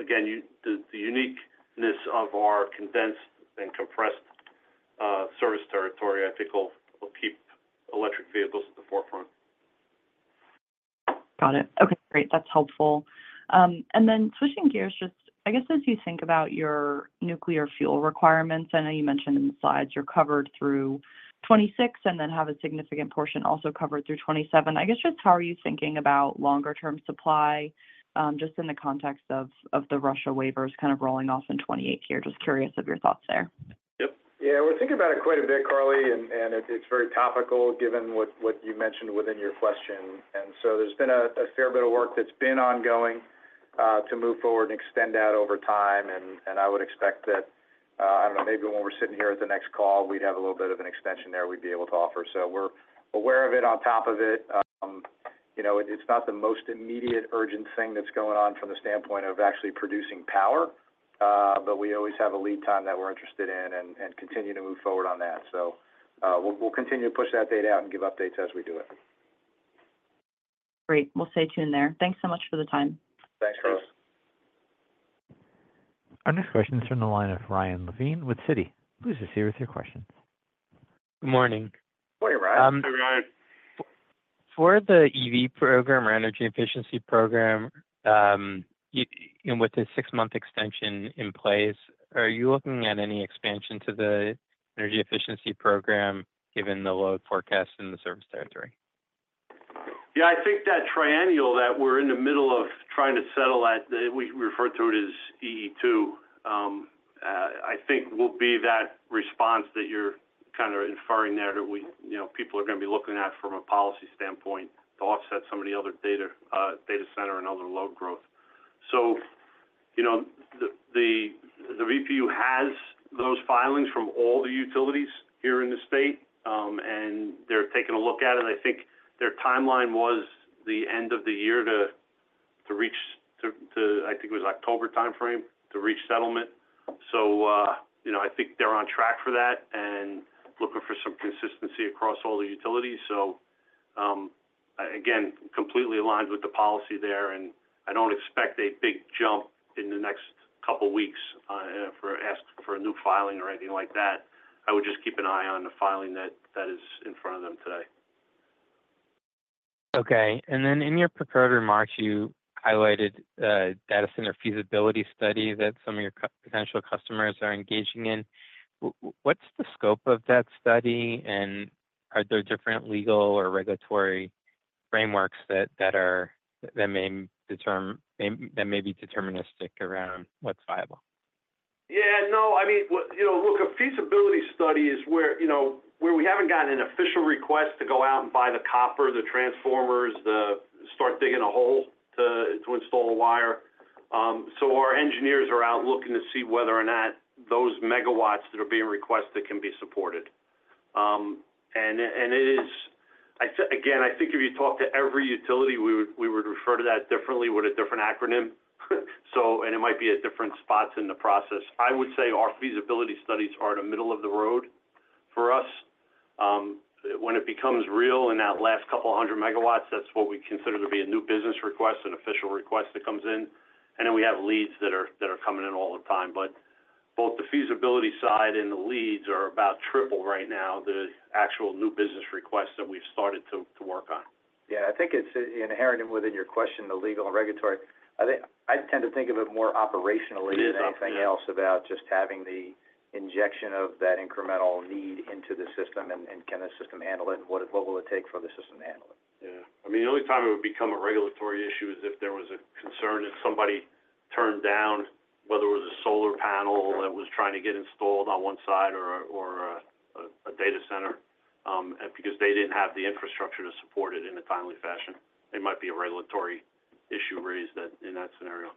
again, the uniqueness of our condensed and compressed service territory, I think, will keep electric vehicles at the forefront. Got it. Okay, great. That's helpful. And then switching gears, just I guess, as you think about your nuclear fuel requirements, I know you mentioned in the slides you're covered through 2026 and then have a significant portion also covered through 2027. I guess, just how are you thinking about longer term supply, just in the context of, of the Russia waivers kind of rolling off in 2028 here? Just curious of your thoughts there. Yep. Yeah, we're thinking about it quite a bit, Carly, and it's very topical given what you mentioned within your question. And so there's been a fair bit of work that's been ongoing to move forward and extend out over time, and I would expect that, I don't know, maybe when we're sitting here at the next call, we'd have a little bit of an extension there we'd be able to offer. So we're aware of it, on top of it. You know, it's not the most immediate, urgent thing that's going on from the standpoint of actually producing power, but we always have a lead time that we're interested in and continue to move forward on that. So we'll continue to push that date out and give updates as we do it. Great. We'll stay tuned there. Thanks so much for the time. Thanks, Carly. Our next question is from the line of Ryan Levine with Citi. Please proceed with your questions. Good morning. Morning, Ryan. Hey, Ryan. For the EV program or energy efficiency program, and with the six-month extension in place, are you looking at any expansion to the energy efficiency program, given the load forecast in the service territory? Yeah, I think that triennial that we're in the middle of trying to settle at, we refer to it as EE II, I think will be that response that you're kind of inferring there, that we you know, people are gonna be looking at from a policy standpoint to offset some of the other data, data center and other load growth. So, you know, the, the, the BPU has those filings from all the utilities here in the state, and they're taking a look at it. I think their timeline was the end of the year to reach settlement. So, you know, I think they're on track for that and looking for some consistency across all the utilities. So, again, completely aligned with the policy there, and I don't expect a big jump in the next couple weeks for ask for a new filing or anything like that. I would just keep an eye on the filing that is in front of them today. Okay. And then in your prepared remarks, you highlighted a data center feasibility study that some of your potential customers are engaging in. What's the scope of that study? And are there different legal or regulatory frameworks that may be deterministic around what's viable? Yeah, no, I mean, what-- you know, look, a feasibility study is where, you know, where we haven't gotten an official request to go out and buy the copper, the transformers, to start digging a hole to install a wire. So our engineers are out looking to see whether or not those megawatts that are being requested can be supported. And it is-- again, I think if you talk to every utility, we would refer to that differently with a different acronym. So, and it might be at different spots in the process. I would say our feasibility studies are the middle of the road for us. When it becomes real in that last couple hundred megawatts, that's what we consider to be a new business request, an official request that comes in, and then we have leads that are coming in all the time. But both the feasibility side and the leads are about triple right now, the actual new business requests that we've started to work on. Yeah, I think it's inherent within your question, the legal and regulatory. I think I tend to think of it more operationally- It is op, yeah.... than anything else, about just having the injection of that incremental need into the system, and, and can the system handle it? And what, what will it take for the system to handle it? Yeah. I mean, the only time it would become a regulatory issue is if there was a concern that somebody turned down, whether it was a solar panel that was trying to get installed on one side or a data center, because they didn't have the infrastructure to support it in a timely fashion. It might be a regulatory issue raised that, in that scenario.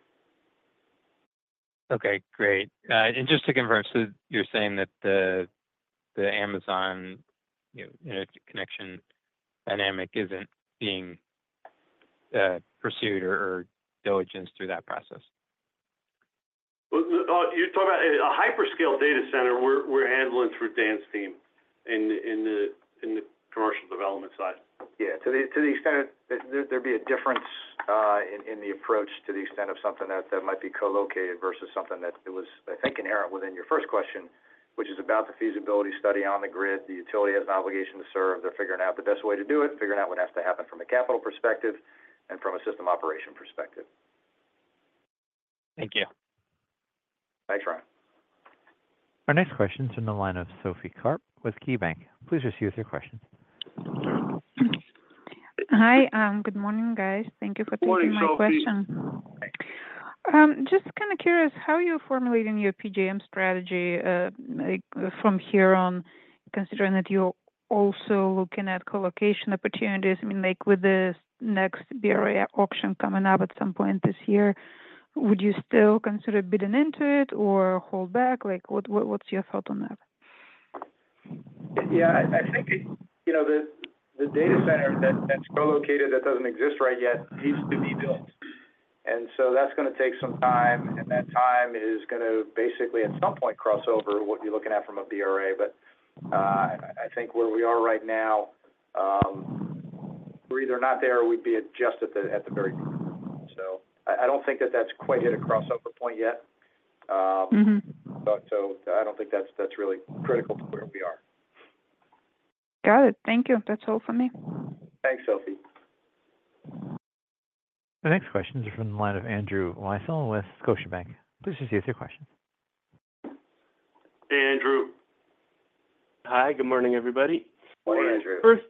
Okay, great. And just to confirm, so you're saying that the Amazon, you know, connection dynamic isn't being pursued or diligence through that process? Well, you're talking about a hyperscale data center, we're handling through Dan's team in the commercial development side. Yeah. To the extent of, there'd be a difference in the approach to the extent of something that might be co-located versus something that it was, I think, inherent within your first question, which is about the feasibility study on the grid. The utility has an obligation to serve. They're figuring out the best way to do it, figuring out what has to happen from a capital perspective and from a system operation perspective. Thank you. Thanks, Ryan. Our next question is in the line of Sophie Karp with KeyBanc. Please proceed with your question. Hi, good morning, guys. Thank you for taking my question. Good morning, Sophie. Just kind of curious, how are you formulating your PJM strategy, like, from here on, considering that you're also looking at co-location opportunities? I mean, like, with the next BRA auction coming up at some point this year, would you still consider bidding into it or hold back? Like, what, what, what's your thought on that? Yeah, I think it... You know, the data center that's co-located, that doesn't exist right yet, needs to be built. And so that's gonna take some time, and that time is gonna basically, at some point, cross over what you're looking at from a BRA. But I think where we are right now, we're either not there or we'd be just at the very beginning. So I don't think that that's quite hit a crossover point yet. Mm-hmm... but so I don't think that's really critical to where we are. Got it. Thank you. That's all for me. Thanks, Sophie. The next question is from the line of Andrew Weisel with Scotiabank. Please just proceed with your question. Hey, Andrew. Hi, good morning, everybody. Morning, Andrew. First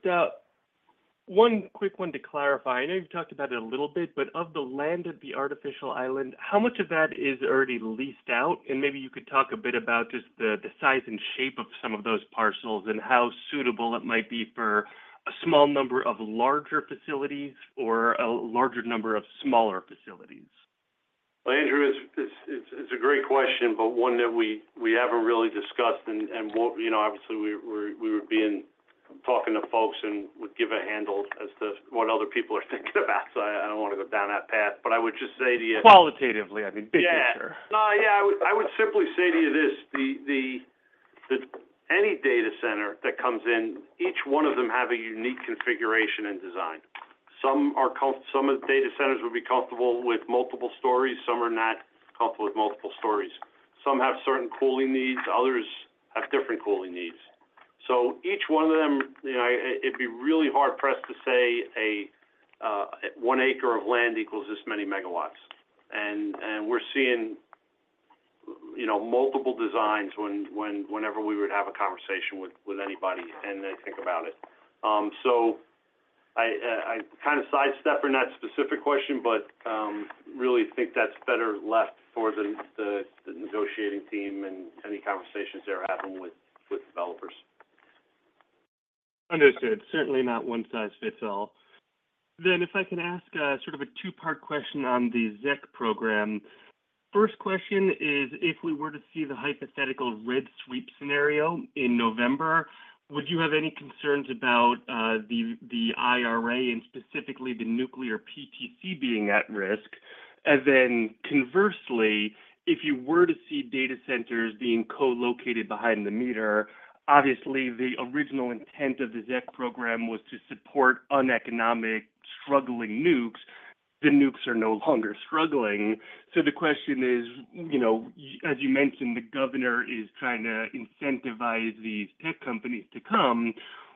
up, one quick one to clarify. I know you've talked about it a little bit, but of the land of the Artificial Island, how much of that is already leased out? And maybe you could talk a bit about just the size and shape of some of those parcels and how suitable it might be for a small number of larger facilities or a larger number of smaller facilities. Well, Andrew, it's a great question, but one that we haven't really discussed and what-- You know, obviously, we would be talking to folks and would give a handle as to what other people are thinking about. So I don't want to go down that path, but I would just say to you- Qualitatively, I mean, big picture. Yeah. No, yeah, I would, I would simply say to you this: any data center that comes in, each one of them have a unique configuration and design. Some of the data centers would be comfortable with multiple stories, some are not comfortable with multiple stories. Some have certain cooling needs, others have different cooling needs. So each one of them, you know, it'd be really hard-pressed to say one acre of land equals this many megawatts. And we're seeing, you know, multiple designs whenever we would have a conversation with anybody, and they think about it. So I kind of sidestepping that specific question, but really think that's better left for the negotiating team and any conversations they're having with developers. Understood. Certainly not one size fits all. Then if I can ask, sort of a two-part question on the ZEC program. First question is, if we were to see the hypothetical red sweep scenario in November, would you have any concerns about the IRA and specifically the nuclear PTC being at risk? And then conversely, if you were to see data centers being co-located behind the meter, obviously, the original intent of the ZEC program was to support uneconomic struggling nukes, the nukes are no longer struggling. So the question is, you know, as you mentioned, the governor is trying to incentivize these tech companies to come.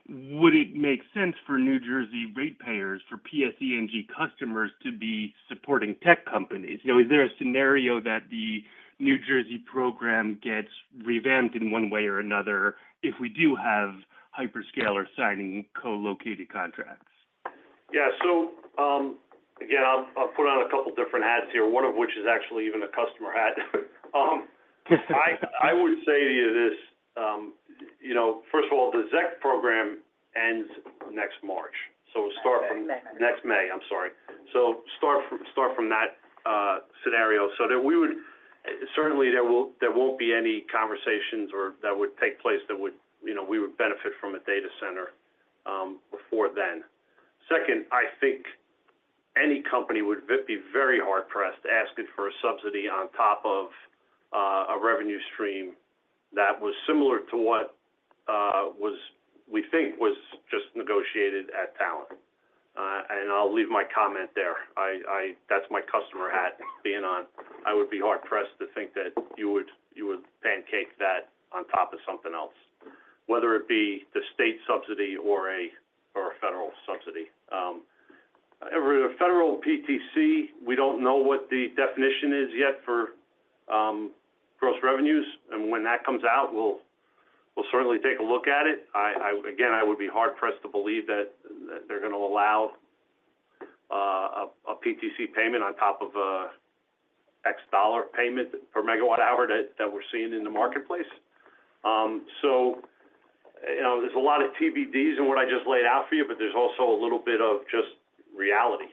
Would it make sense for New Jersey ratepayers, for PSE&G customers, to be supporting tech companies? You know, is there a scenario that the New Jersey program gets revamped in one way or another if we do have hyperscaler signing co-located contracts? Yeah. So, again, I'll put on a couple different hats here, one of which is actually even a customer hat. I would say to you this, you know, first of all, the ZEC program ends next March, so we'll start from- Next May. Next May, I'm sorry. So start from that scenario. So that we would certainly there will, there won't be any conversations or that would take place that would, you know, we would benefit from a data center before then. Second, I think any company would be very hard pressed asking for a subsidy on top of a revenue stream that was similar to what was, we think was just negotiated at Talen. And I'll leave my comment there. I-- That's my customer hat being on. I would be hard pressed to think that you would pancake that on top of something else, whether it be the state subsidy or a federal subsidy. The federal PTC, we don't know what the definition is yet for gross revenues, and when that comes out, we'll certainly take a look at it. Again, I would be hard pressed to believe that they're going to allow a PTC payment on top of a X dollar payment per megawatt hour that we're seeing in the marketplace. So, you know, there's a lot of TBDs in what I just laid out for you, but there's also a little bit of just reality.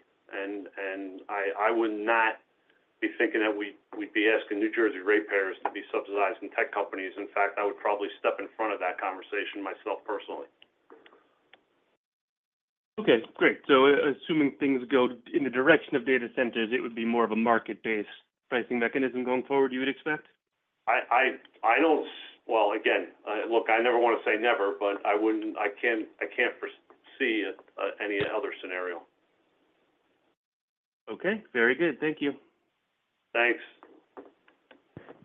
I would not be thinking that we'd be asking New Jersey ratepayers to be subsidizing tech companies. In fact, I would probably step in front of that conversation myself personally. Okay, great. So assuming things go in the direction of data centers, it would be more of a market-based pricing mechanism going forward, you would expect? Well, again, look, I never want to say never, but I wouldn't. I can't foresee any other scenario. Okay, very good. Thank you. Thanks.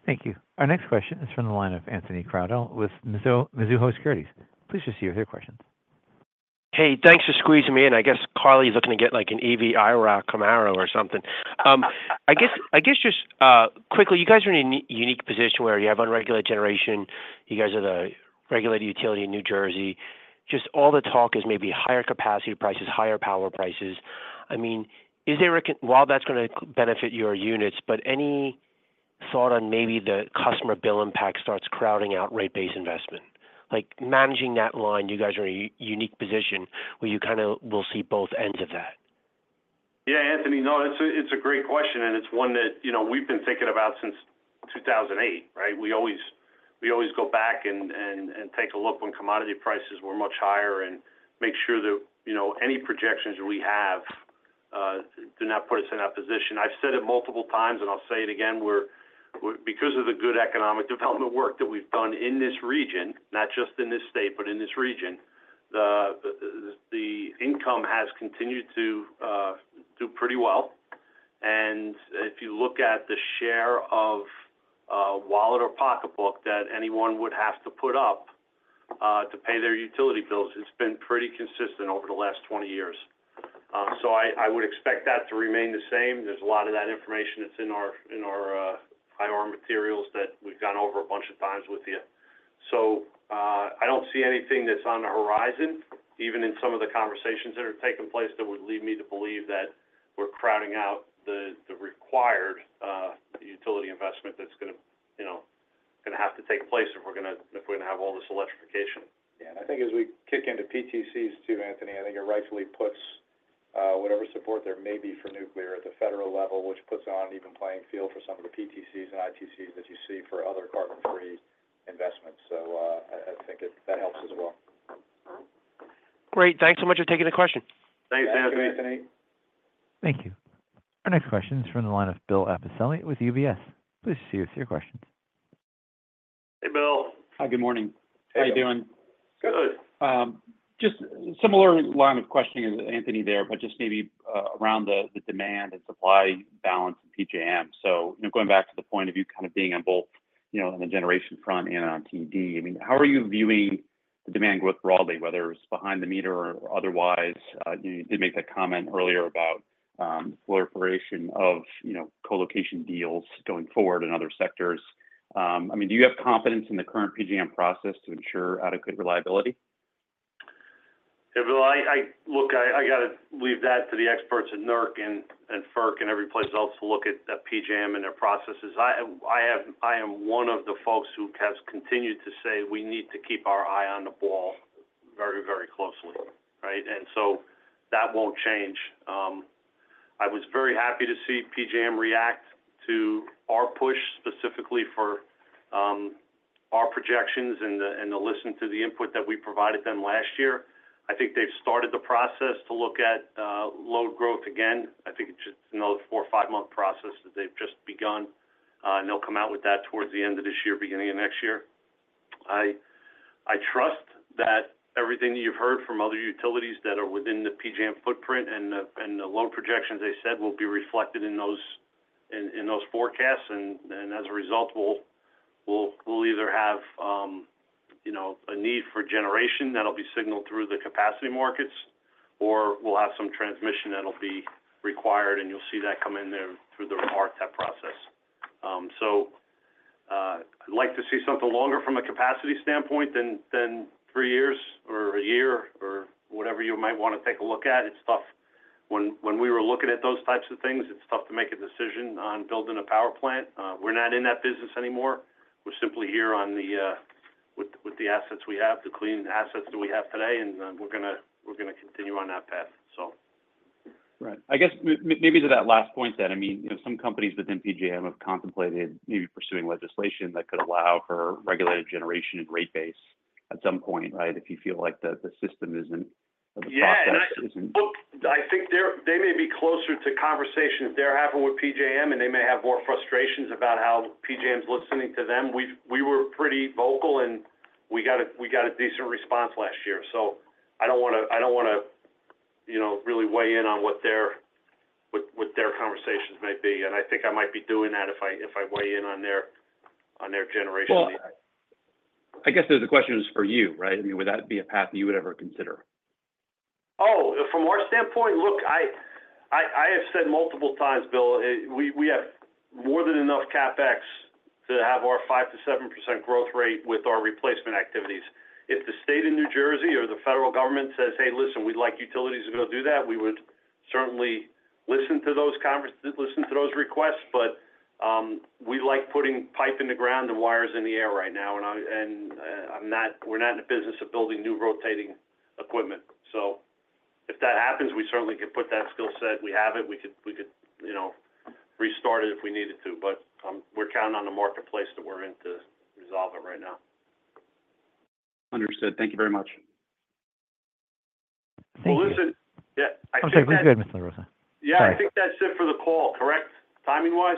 Thank you. Our next question is from the line of Anthony Crowdell with Mizuho Securities. Please go ahead with your questions. Hey, thanks for squeezing me in. I guess Carly is looking to get, like, an EV IROC-Z Camaro or something. I guess just quickly, you guys are in a unique position where you have unregulated generation. You guys are the regulated utility in New Jersey. Just all the talk is maybe higher capacity prices, higher power prices. I mean, is there reco- while that's going to benefit your units, but any thought on maybe the customer bill impact starts crowding out rate-based investment? Like, managing that line, you guys are in a unique position where you kind of will see both ends of that. Yeah, Anthony, no, it's a great question, and it's one that, you know, we've been thinking about since 2008, right? We always go back and take a look when commodity prices were much higher and make sure that, you know, any projections we have do not put us in that position. I've said it multiple times, and I'll say it again, we're because of the good economic development work that we've done in this region, not just in this state, but in this region, the income has continued to do pretty well. And if you look at the share of wallet or pocketbook that anyone would have to put up to pay their utility bills, it's been pretty consistent over the last 20 years. So I would expect that to remain the same. There's a lot of that information that's in our IR materials that we've gone over a bunch of times with you. So I don't see anything that's on the horizon, even in some of the conversations that are taking place, that would lead me to believe that we're crowding out the required utility investment that's gonna, you know, gonna have to take place if we're gonna, if we're gonna have all this electrification. Yeah. And I think as we kick into PTCs, too, Anthony, I think it rightfully puts whatever support there may be for nuclear at the federal level, which puts on an even playing field for some of the PTCs and ITCs that you see for other carbon-free investments. So, I think that helps as well. Great. Thanks so much for taking the question. Thanks, Anthony. Thanks, Anthony. Thank you. Our next question is from the line of Bill Appicelli with UBS. Please see your questions. Hey, Bill. Hi, good morning. How you doing? Good. Just similar line of questioning as Anthony there, but just maybe around the demand and supply balance in PJM. So, you know, going back to the point of you kind of being on both, you know, on the generation front and on TD, I mean, how are you viewing the demand growth broadly, whether it's behind the meter or otherwise? You did make that comment earlier about the proliferation of, you know, co-location deals going forward in other sectors. I mean, do you have confidence in the current PJM process to ensure adequate reliability? Hey, Bill. Look, I got to leave that to the experts at NERC and FERC and everyplace else to look at PJM and their processes. I am one of the folks who has continued to say we need to keep our eye on the ball very, very closely, right? And so that won't change. I was very happy to see PJM react to our push, specifically for our projections and to listen to the input that we provided them last year. I think they've started the process to look at load growth again. I think it's just another 4 or 5-month process that they've just begun, and they'll come out with that towards the end of this year, beginning of next year. I trust that everything that you've heard from other utilities that are within the PJM footprint and the load projections they said will be reflected in those forecasts. And as a result, we'll either have, you know, a need for generation that'll be signaled through the capacity markets, or we'll have some transmission that'll be required, and you'll see that come in there through the RTEP process. So I'd like to see something longer from a capacity standpoint than three years or a year or whatever you might wanna take a look at. It's tough. When we were looking at those types of things, it's tough to make a decision on building a power plant. We're not in that business anymore. We're simply here with the assets we have, the clean assets that we have today, and we're gonna continue on that path, so. Right. I guess maybe to that last point, then, I mean, you know, some companies within PJM have contemplated maybe pursuing legislation that could allow for regulated generation and rate base at some point, right? If you feel like the, the system isn't- Yeah The process isn't- Look, I think they're, they may be closer to conversations they're having with PJM, and they may have more frustrations about how PJM's listening to them. We've, we were pretty vocal, and we got a, we got a decent response last year. So I don't wanna, I don't wanna, you know, really weigh in on what their, what, what their conversations may be, and I think I might be doing that if I, if I weigh in on their, on their generation idea. Well, I guess the question is for you, right? I mean, would that be a path you would ever consider? Oh, from our standpoint? Look, I, I, I have said multiple times, Bill, we, we have more than enough CapEx to have our 5%-7% growth rate with our replacement activities. If the state of New Jersey or the federal government says, "Hey, listen, we'd like utilities to go do that," we would certainly listen to those requests. But, we like putting pipe in the ground and wires in the air right now, and I, and, I'm not, we're not in the business of building new rotating equipment. So if that happens, we certainly could put that skill set. We have it. We could, we could, you know, restart it if we needed to, but, we're counting on the marketplace that we're in to resolve it right now. Understood. Thank you very much. Well, listen- Thank you. Yeah, I think that- I'm sorry. Go ahead, Mr. LaRossa. Yeah. Sorry. I think that's it for the call, correct, timing-wise?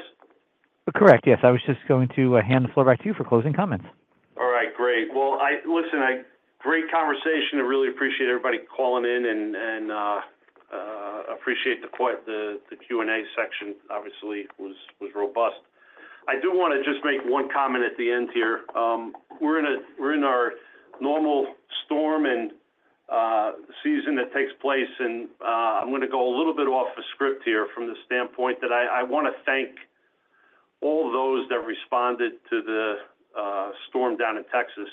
Correct. Yes, I was just going to hand the floor back to you for closing comments. All right, great. Well, listen, great conversation. I really appreciate everybody calling in and appreciate the Q&A section obviously was robust. I do want to just make one comment at the end here. We're in our normal storm and season that takes place, and I'm going to go a little bit off the script here from the standpoint that I want to thank all those that responded to the storm down in Texas,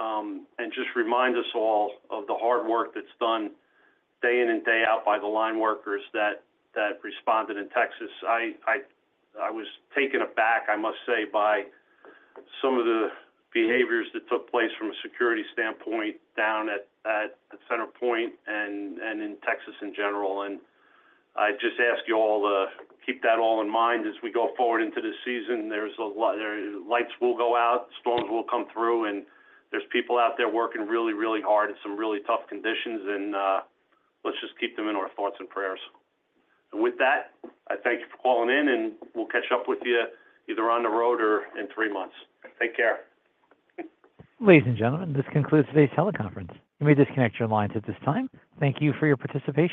and just remind us all of the hard work that's done day in and day out by the line workers that responded in Texas. I was taken aback, I must say, by some of the behaviors that took place from a security standpoint down at CenterPoint and in Texas in general. I just ask you all to keep that all in mind as we go forward into this season. There's a lot... lights will go out, storms will come through, and there's people out there working really, really hard in some really tough conditions, and, let's just keep them in our thoughts and prayers. With that, I thank you for calling in, and we'll catch up with you either on the road or in three months. Take care. Ladies and gentlemen, this concludes today's teleconference. You may disconnect your lines at this time. Thank you for your participation.